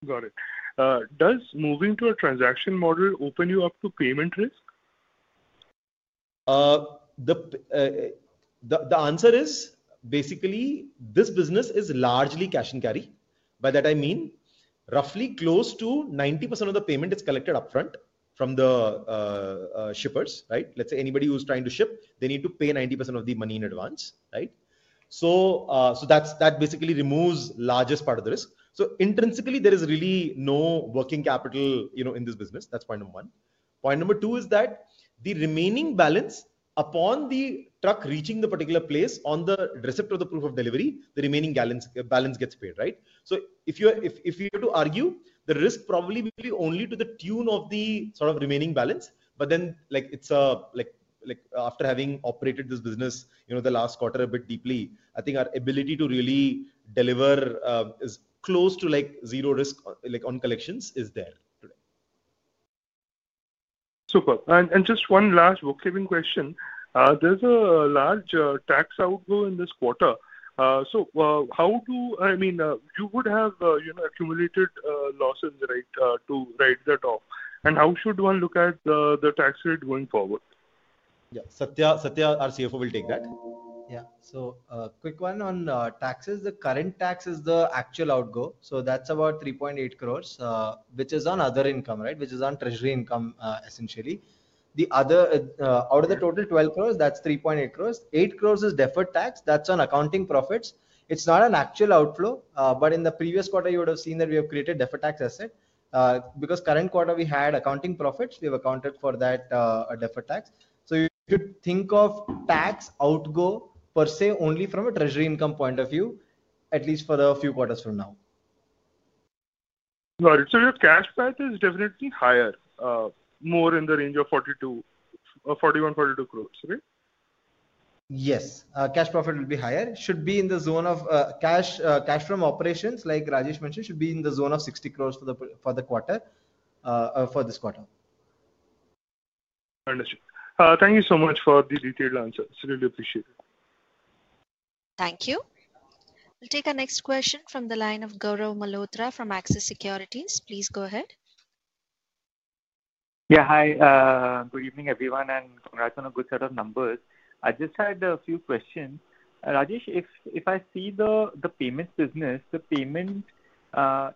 Got it. Does moving to a transaction model open you up to payment risk? The answer is basically this business is largely cash and carry. By that I mean roughly close to 90% of the payment is collected upfront from the shippers. Right. Let's say anybody who's trying to ship, they need to pay 90% of the money in advance. That basically removes largest part of the risk. Intrinsically there is really no working capital in this business. That's point number one. Point number two is that the remaining balance upon the truck reaching the particular place on the receptor of the proof of Delhivery, the remaining balance gets paid, right? If you were to argue, the risk probably will be only to the tune of the sort of remaining balance. After having operated this business the last quarter a bit deeply, I think our ability to really deliver is close to like zero risk, like on collections, is there today. Super. Just one last bookkeeping question. There's a large tax outgo in this quarter. How do you, I mean, you would have, you know, accumulated losses, right, to write that off. How should one look at the tax rate going forward? Yeah, Satya, our CFO will take that. Yeah. Quick one on taxes, the current tax is the actual outgo. That's about 3.8 crores, which is on other income, right, which is on treasury income essentially. Out of the total 12 crores, that's 3.8 crores. 8 crores is deferred tax, that's on accounting profits. It's not an actual outflow. In the previous quarter, you would have seen that we have created deferred tax asset because current quarter we had accounting profits. We have accounted for that deferred tax. You should think of tax outgo per se only from a treasury income point of view, at least for a few quarters from now. Got it. Your cash path is definitely higher, more in the range of 42 crore. 41 crore, 42 crore, right? Yes. Cash profit will be higher. Should be in the zone of cash, cash from operations like Rajesh mentioned, should be in the zone of 60 crore for the quarter, for this quarter. Thank you so much for the detailed answers. Really appreciate it. Thank you. Take our next question from the line of Gaurav Malhotra from Axis Securities. Please go ahead. Hi, good evening everyone and congrats on a good set of numbers. I just had a few questions, Rajesh. If I see the payments business, the payment,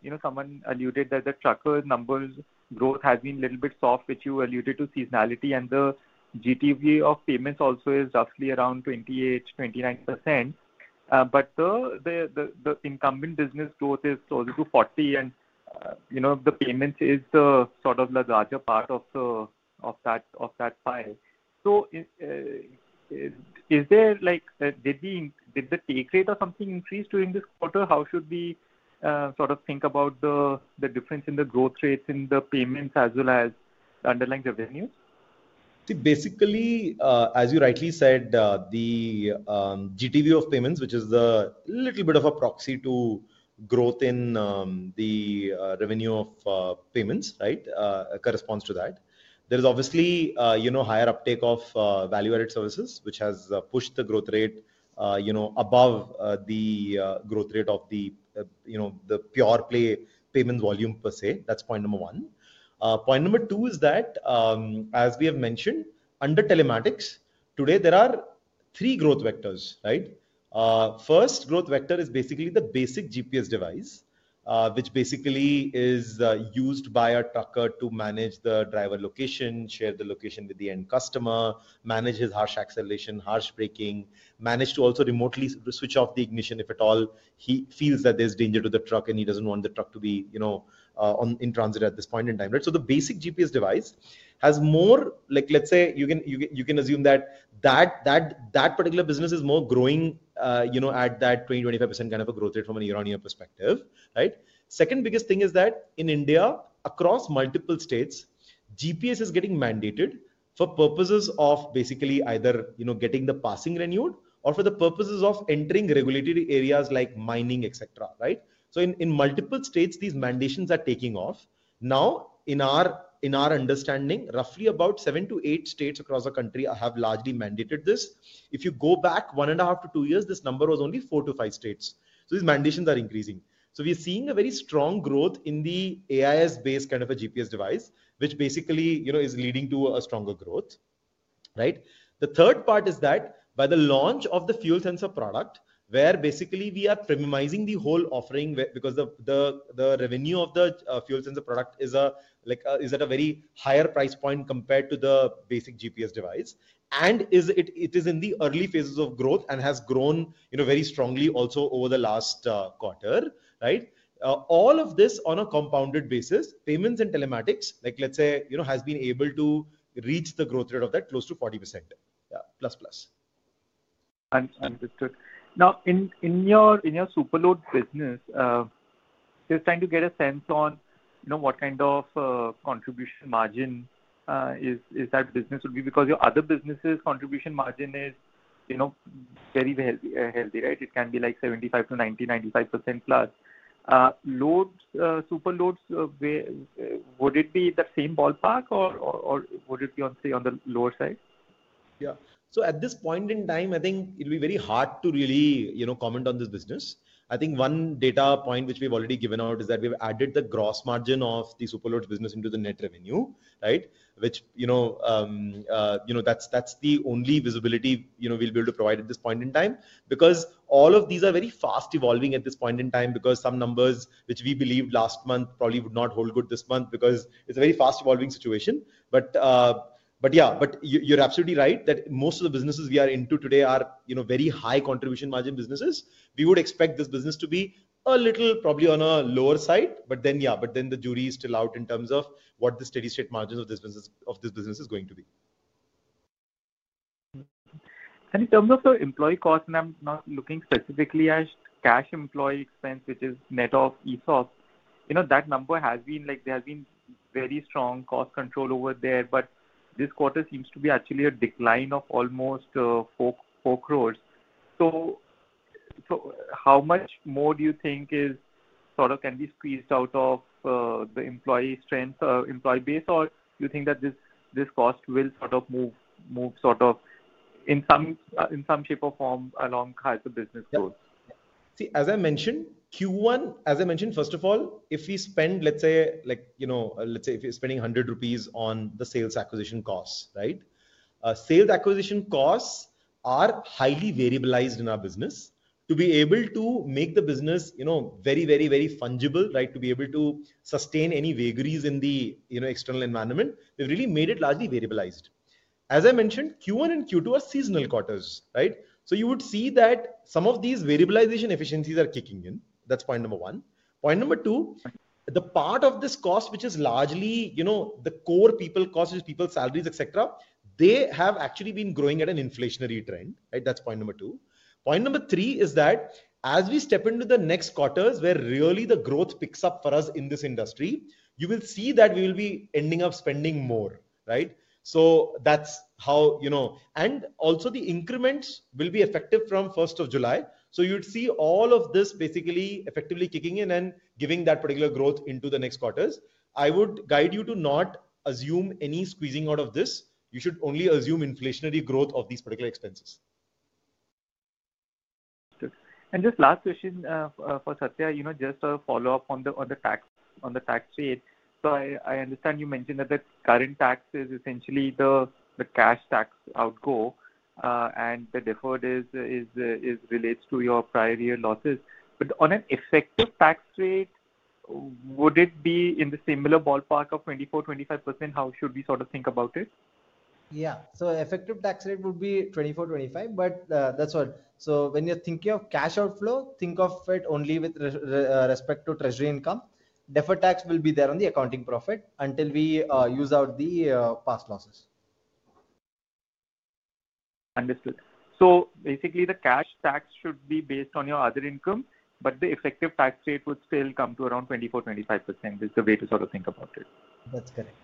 you know, someone alluded that the trucker numbers growth has been a little bit soft, which you alluded to seasonality. The GTV of payments also is roughly around 28-29% but the incumbent business growth is closer to 40% and the payments is sort of the larger part of that pie. Is there like, did the take rate or something increase during this quarter? How should we sort of think about the difference in the growth rates in the payments as well as the underlying revenue? Basically, as you rightly said, the GTV of payments, which is a little bit of a proxy to growth in the revenue of payments, right, corresponds to that. There is obviously higher uptake of value added services, which has pushed the growth rate above the growth rate of the pure play payment volume per se. That's point number one. Point number two is that as we have mentioned under telematics, today there are three growth vectors, right. First growth vector is basically the basic GPS device, which basically is used by a trucker to manage the driver location, share the location with the end customer, manage his harsh acceleration, harsh braking, manage to also remotely switch off the ignition if at all he feels that there's danger to the truck and he doesn't want the truck to be in transit at this point in time. The basic GPS device has more like, let's say, you can assume that that particular business is growing at that 20% to 25% kind of a growth rate from a year on year perspective, right. Second biggest thing is that in India, across multiple states, GPS is getting mandated for purposes of basically either getting the passing renewed or for the purposes of entering regulatory areas like mining, etc., right. In multiple states these mandations are taking off. In our understanding, roughly about seven to eight states across the country have largely mandated this. If you go back one and a half to two years, this number was only four to five states. These mandations are increasing. We're seeing a very strong growth in the AI-based kind of a GPS device, which basically is leading to a stronger growth. The third part is that by the launch of the fuel sensor product, where basically we are premiumizing the whole offering because the revenue of the fuel sensor product is at a very higher price point compared to the basic GPS device and it is in the early phases of growth and has grown very strongly also over the last quarter. All of this on a compounded basis, payments and telematics, let's say, has been able to reach the growth rate of that close to 40% plus. Understood. Now in your SuperLoads business, just trying to get a sense on what kind of contribution margin that business would be because your other businesses' contribution margin is very healthy, right? It can be like 75%-90%, 95% plus loads, SuperLoads. Would it be that same ballpark or would it be on, say, the lower side? Yeah, at this point in time I think it'll be very hard to really comment on this business. I think one data point which we've already given out is that we've added the gross margin of the SuperLoads business into the net revenue, which that's the only visibility we'll be able to provide at this point in time. All of these are very fast evolving at this point in time because some numbers which we believed last month probably would not hold good this month because it's a very fast evolving situation. Yeah, you're absolutely right that most of the businesses we are into today are very high contribution margin businesses. We would expect this business to be a little probably on the lower side. The jury is still out in terms of what the steady state margin of this business is going to be. In terms of the employee cost, I'm not looking specifically at cash employee expense, which is net of ESOP. That number has been, like, there has been very strong cost control over there. This quarter seems to be actually a decline of almost 4 crore. How much more do you think can be squeezed out of the employee strength, employee base, or do you think that this cost will move in some shape or form along types of business goals? As I mentioned, first of all, if we spend, let's say, if you're spending 100 rupees on the sales acquisition costs, right? Sales acquisition costs are highly variableized in our business to be able to make the business very, very, very fungible, right? To be able to sustain any vagaries in the external environment, they've really made it largely variableized. As I mentioned, Q1 and Q2 are seasonal quarters, right? You would see that some of these variabilization efficiencies are kicking in. That's point number one. Point number two, the part of this cost which is largely the core people cost is people salaries, etc. They have actually been growing at an inflationary trend, right? That's point number two. Point number three is that as we step into the next quarters where the growth picks up for us in this industry, you will see that we will be ending up spending more, right? Also, the increments will be effective from July 1. You'd see all of this basically effectively kicking in and giving that particular growth into the next quarters. I would guide you to not assume any squeezing out of this. You should only assume inflationary growth of these particular expenses. Just a follow up on the tax on the tax rate. I understand you mentioned that the current tax is essentially the cash tax outgo and the deferred relates to your prior year losses. On an effective tax rate, would it be in the similar ballpark of 24, 25%? How should we sort of think about it? Yeah. Effective tax rate would be 24%, 25%. When you're thinking of cash outflow, think of it only with respect to treasury income. Deferred tax will be there on the accounting profit until we use out the past losses. Understood. Basically, the cash tax should be based on your other income, but the effective tax rate would still come to around 24-25% is the way to sort of think about it. That's correct.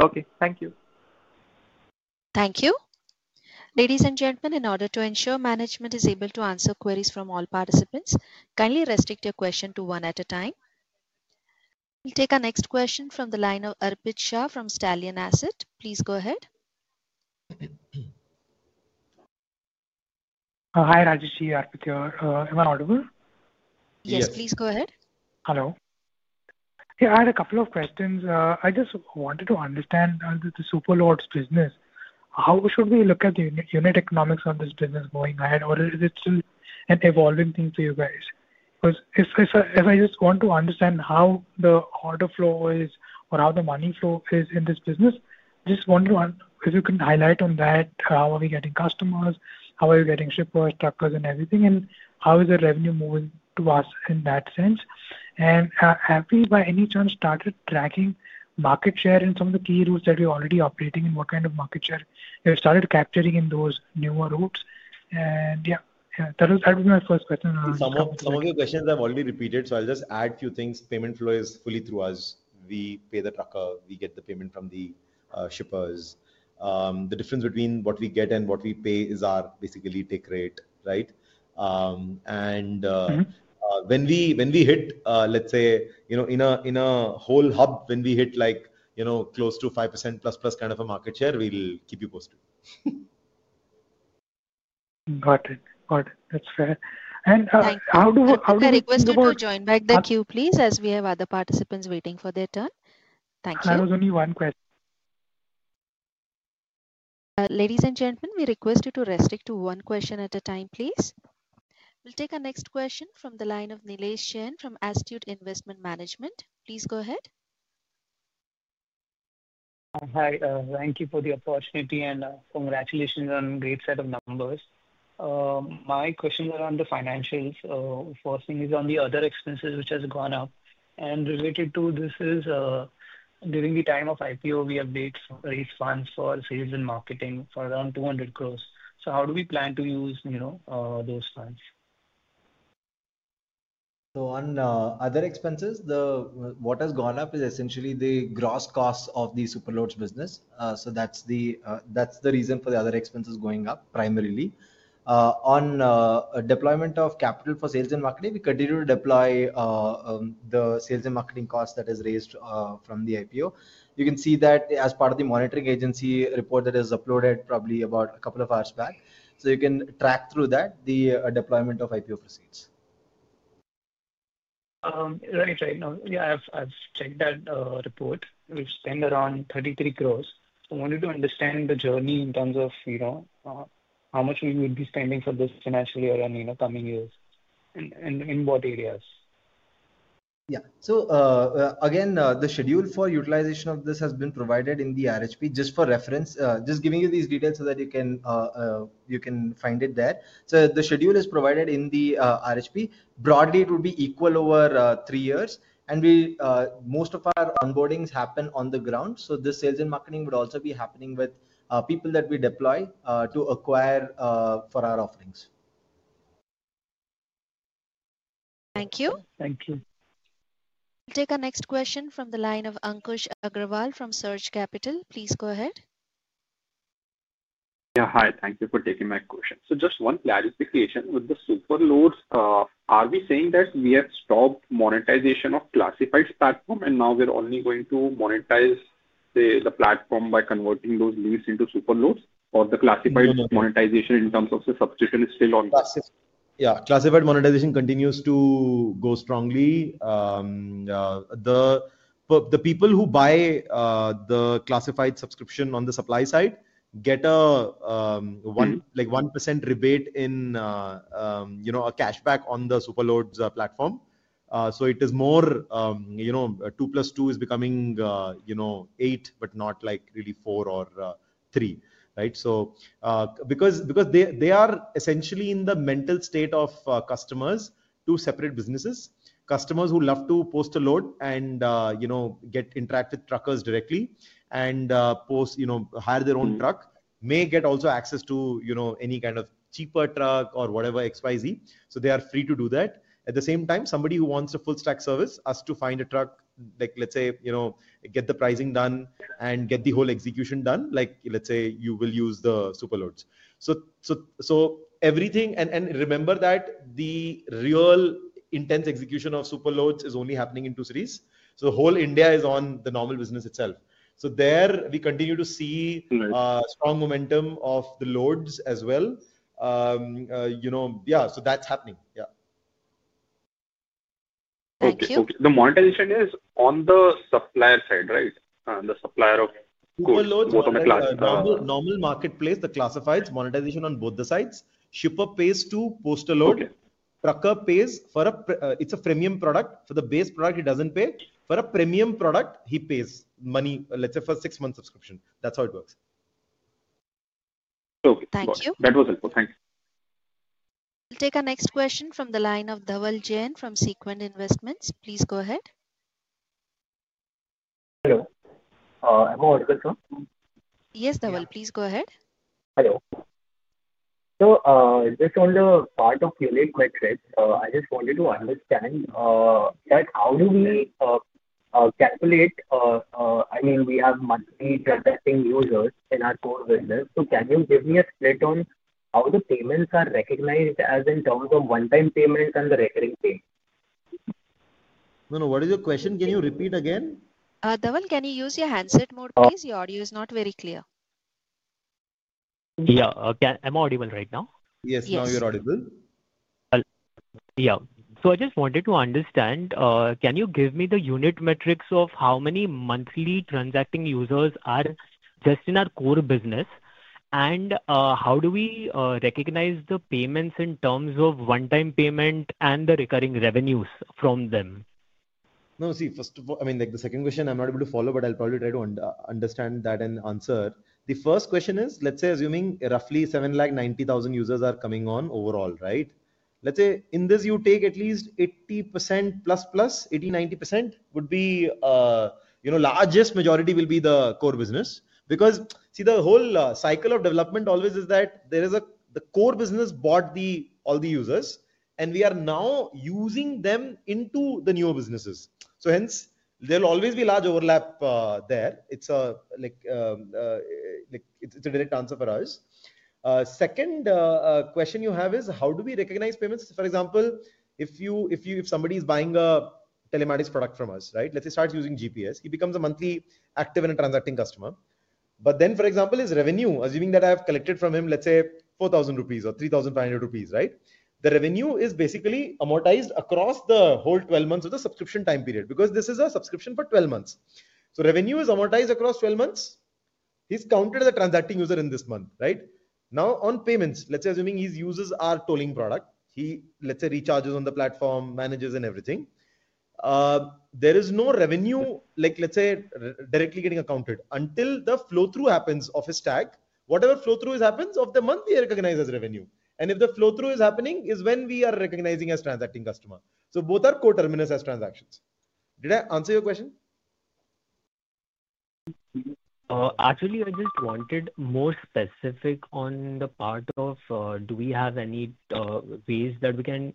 Okay, thank you. Thank you. Ladies and gentlemen, in order to ensure management is able to answer queries from all participants, kindly restrict your question to one at a time. We'll take our next question from the line of Arpit Shah from Stallion Asset. Please go ahead. Hi Rajesh, Arpit. Am I audible? Yes, please go ahead. Hello. Yeah, I had a couple of questions. I just wanted to understand under the SuperLoads business, how should we look at the unit economics of this business going ahead, or is it still an evolving thing to you guys? Because I just want to understand how the order flow is or how the money flow is in this business. Just wonder if you can highlight on that, how are we getting customers, how are you getting shippers, truckers and everything, and how is the revenue moving to us in that sense? Have you by any chance started tracking market share in some of the key routes that we are already operating in? What kind of market share have you started capturing in those newer routes? That was my first question. Some of your questions I've already repeated. I'll just add a few things. Payment flow is fully through us. We pay the trucker, we get the payment from the shippers. The difference between what we get and what we pay is our basically take rate. Right. When we hit, let's say, you know, in a whole hub, when we hit, like, you know, close to 5% plus kind of a market share, we'll keep you posted. Got it, got it. That's fair. And how. Please request to join back the queue as we have other participants waiting for their turn. Thank you. That was only one question. Ladies and gentlemen, we request you to restrict to one question at a time, please. We'll take our next question from the line of Nilesh Chien from Astute Investment Management. Please go ahead. Hi. Thank you for the opportunity and congratulations on great set of numbers. My questions are on the financials. First thing is on the other expenses which has gone up and related to this is during the time of IPO we raised funds for sales and marketing for around 200 crore. How do we plan to use, you know, those funds? On other expenses, what has gone up is essentially the gross cost of the SuperLoads business. That's the reason for the other expenses going up, primarily on deployment of capital for sales and marketing. We continue to deploy the sales and marketing cost that is raised from the IPO. You can see that as part of the monitoring agency report that is uploaded probably about a couple of hours back. You can track through that the deployment of IPO proceeds. Right now, yeah, I've checked that report. We've spent around 33 crore. I wanted to understand the journey in terms of how much we would be spending for this financial year and coming years and in what areas. Yeah. The schedule for utilization of this has been provided in the RHP just for reference. Just giving you these details so that you can find it there. The schedule is provided in the RHP. Broadly, it would be equal over three years and most of our onboardings happen on the ground. This sales and marketing would also be happening with people that we deploy to acquire for our offerings. Thank you. Thank you. Take our next question from the line of Ankush Agrawal from Surge Capital. Please go ahead. Yeah. Hi. Thank you for taking my question. Just one clarity creation with the SuperLoads. Are we saying that we have stopped monetization of classified platform and now we're only going to monetize the platform by converting those leads into SuperLoads, or the classified monetization in terms of. The substitution is still on, yeah, classified monetization continues to go strongly. The people who buy the classified subscription on the supply side get a 1% rebate in a cashback on the SuperLoads platform. It is more two plus two is becoming eight, but not really four or three because they are essentially in the mental state of customers, two separate businesses. Customers who love to post a load and, you know, interact with truckers directly and post, you know, hire their own truck may get also access to, you know, any kind of cheaper truck or whatever, xyz, so they are free to do that. At the same time, somebody who wants a full stack service, ask to find a truck, like let's say, you know, get the pricing done and get the whole execution done, like let's say you will use the SuperLoads. Everything, and remember that the real intense execution of SuperLoads is only happening in two cities. The whole India is on the normal business itself. There we continue to see strong momentum of the loads as well. Yeah, that's happening. The monetization is on the supplier side, right? The supplier of. Normal marketplace. The classifieds monetization on both the sites, shipper pays to post a load. Trucker pays for a, it's a premium product for the base product. It doesn't pay for a premium product. He pays money, let's say for six months subscription. That's how it works. Okay, thank you, that was helpful. Thank you. We'll take our next question from the line of Dhaval Jain from Sequent Investments. Please go ahead. Hello, am I audible, sir? Yes, Dhaval. Please go ahead. Hello. Just on the part of period, I just wanted to understand how do we calculate? I mean, we have monthly testing users in our core business. Can you give me a split on how the payments are recognized in terms of one-time payment and the recurring payment? What is your question? Can you repeat again? Dhaval, can you use your handset mode, please? Your audio is not very clear. Yeah, am I audible right now? Yes, now you're audible. Yeah. I just wanted to understand, can you give me the unit metrics of how many monthly transacting users are just in our core business, and how do we recognize the payments in terms of one time payment and the recurring revenues from them? No, see, first of all, I mean like the second question I'm not able to follow, but I'll probably try to understand that and answer. The first question is let's say assuming roughly 790,000 users are coming on overall, right? Let's say in this you take at least 80% plus, plus 80, 90% would be, you know, largest majority will be the core business. Because see the whole cycle of development always is that there is a, the core business brought all the users and we are now using them into the newer businesses. Hence, there'll always be large overlap there. It's a, like, like it's a direct answer for us. Second question you have is how do we recognize payments? For example, if you, if you, if somebody is buying a telematics product from us, right, let's say starts using GPS, he becomes a monthly active and a transacting customer. For example, his revenue, assuming that I have collected from him, let's say 4,000 rupees or 3,500 rupees, right, the revenue is basically amortized across the whole 12 months of the subscription time period. Because this is a subscription for 12 months, revenue is amortized across 12 months. He's counted as a transacting user in this month. Right now on payments, let's say assuming he uses our tolling product, he, let's say, recharges on the platform, manages and everything. There is no revenue, like, let's say, directly getting accounted until the flow through happens of his stack. Whatever flow through happens of the month we recognize as revenue, and if the flow through is happening is when we are recognizing as transacting customer. Both are co-terminals as transactions. Did I answer your question? Actually, I just wanted more specific on the part of do we have any ways that we can,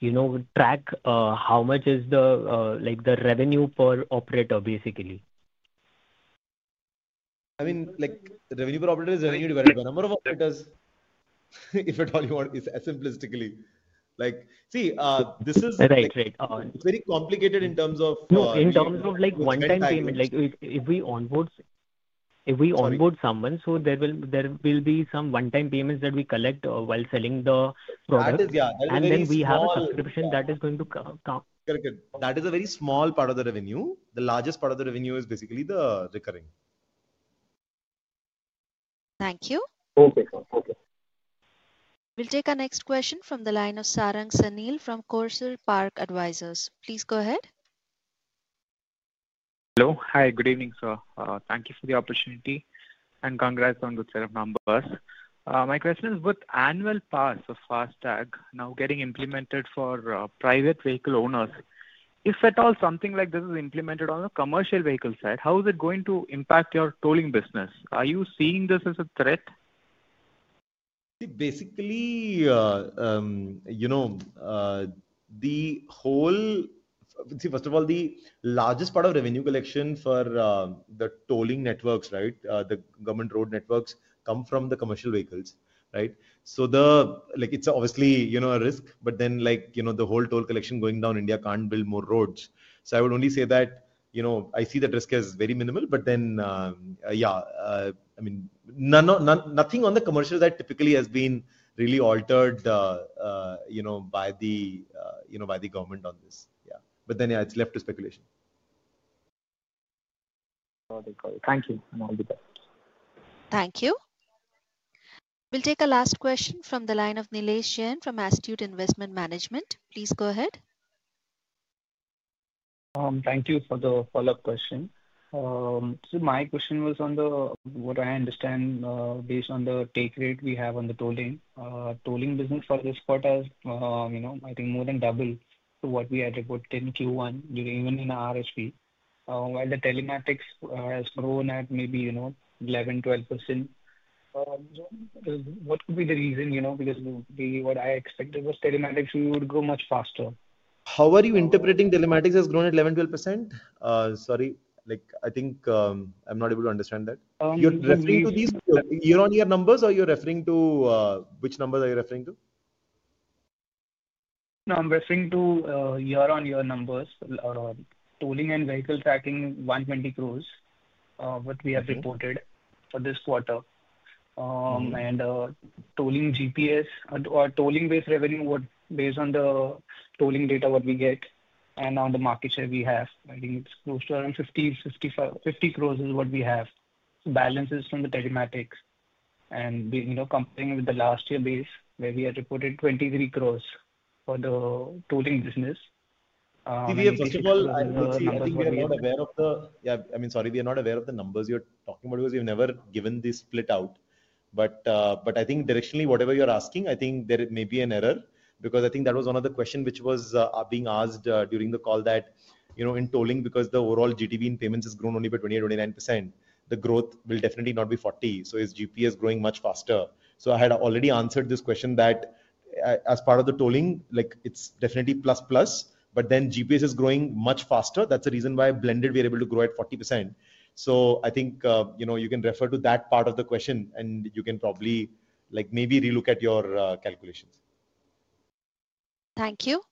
you know, track how much is the, like, the revenue per operator basically. I mean like revenue properties if at all you want it simplistically. See, this is right. It's very complicated in terms of, no, in terms of like one time payment. If we onboard someone, there will be some one-time payments that we collect while selling the product, and then we have a subscription that is going to come. That is a very small part of the revenue. The largest part of the revenue is basically the recurring. Thank you. We'll take our next question from the line of Sarang Sanil from Courser Park Advisors. Please go ahead. Hello. Hi. Good evening, sir. Thank you for the opportunity and congrats on the set of numbers. My question is with annual pass of FASTag now getting implemented for private vehicle owners, if at all something like this is implemented on a commercial vehicle side, how is it going to impact your tolling business? Are you seeing this as a threat? Basically, you know, first of all, the largest part of revenue collection for the tolling networks, right, the government road networks, come from the commercial vehicles, right. It's obviously a risk, but then the whole toll collection going down, India can't build more roads. I would only say that I see that risk as very minimal. Nothing on the commercial that typically has been really altered by the government on this. It's left to speculation. Thank you. Thank you. We'll take a last question from the line of Nilesh Chien from Astute Investment Management. Please go ahead. Thank you for the follow up question. My question was on what I understand based on the take rate we have on the tolling business for this part as to what we had reported in Q1 during even in RHP, while the telematics has grown at maybe, you know, 11%, 12%. What could be the reason? You know, because what I expected was telematics would grow much faster. How are you interpreting telematics has grown at 11%, 12%? Sorry, I think I'm not able to understand that. You're referring to these. You're on your numbers or you're referring to. Which numbers are you referring to? No, I'm referring to year on year numbers. Tolling and vehicle tracking 120 crore is what we have reported for this quarter, and tolling GPS or tolling-based revenue based on the tolling data we get and on the market share we have, I think it's close to around 50, 55, 50 crore is what we have. Balances from the telematics, and comparing with the last year base where we had reported 23 crore for the tolling business. I think we are not aware of the, yeah, I mean sorry, we are not aware of the numbers you're talking about because you've never given this split out. I think directionally whatever you're asking, I think there may be an error because I think that was one of the questions which was being asked during the call that in tolling, because the overall GTV in payments has grown only by 20-29%, the growth will definitely not be 40%. GTV is growing much faster. I had already answered this question that as part of the tolling it's definitely plus plus, but then GTV is growing much faster. That's the reason why blended we are able to grow at 40%. I think you can refer to that part of the question and you can probably maybe relook at your calculations. Thank you.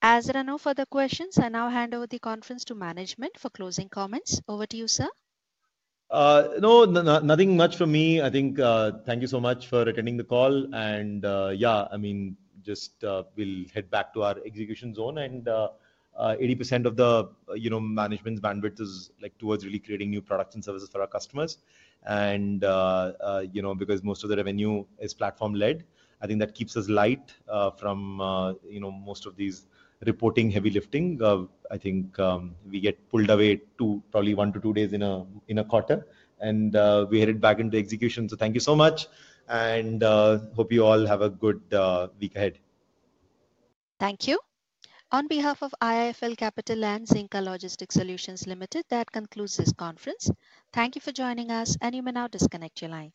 As there are no further questions, I now hand over the conference to management for closing comments. Over to you, sir. No, nothing much for me, I think. Thank you so much for attending the call, and yeah, I mean, we'll head back to our execution zone. 80% of the management's bandwidth is towards really creating new products and services for our customers, and because most of the revenue is platform-led, I think that keeps us light from most of these reporting heavy lifting. I think we get pulled away probably one to two days in a quarter, and we head back into execution. Thank you so much, and hope you all have a good week ahead. Thank you. On behalf of IIFL Capital and Zinka Logistics Solutions Limited. That concludes this conference. Thank you for joining us and you may now disconnect your lines.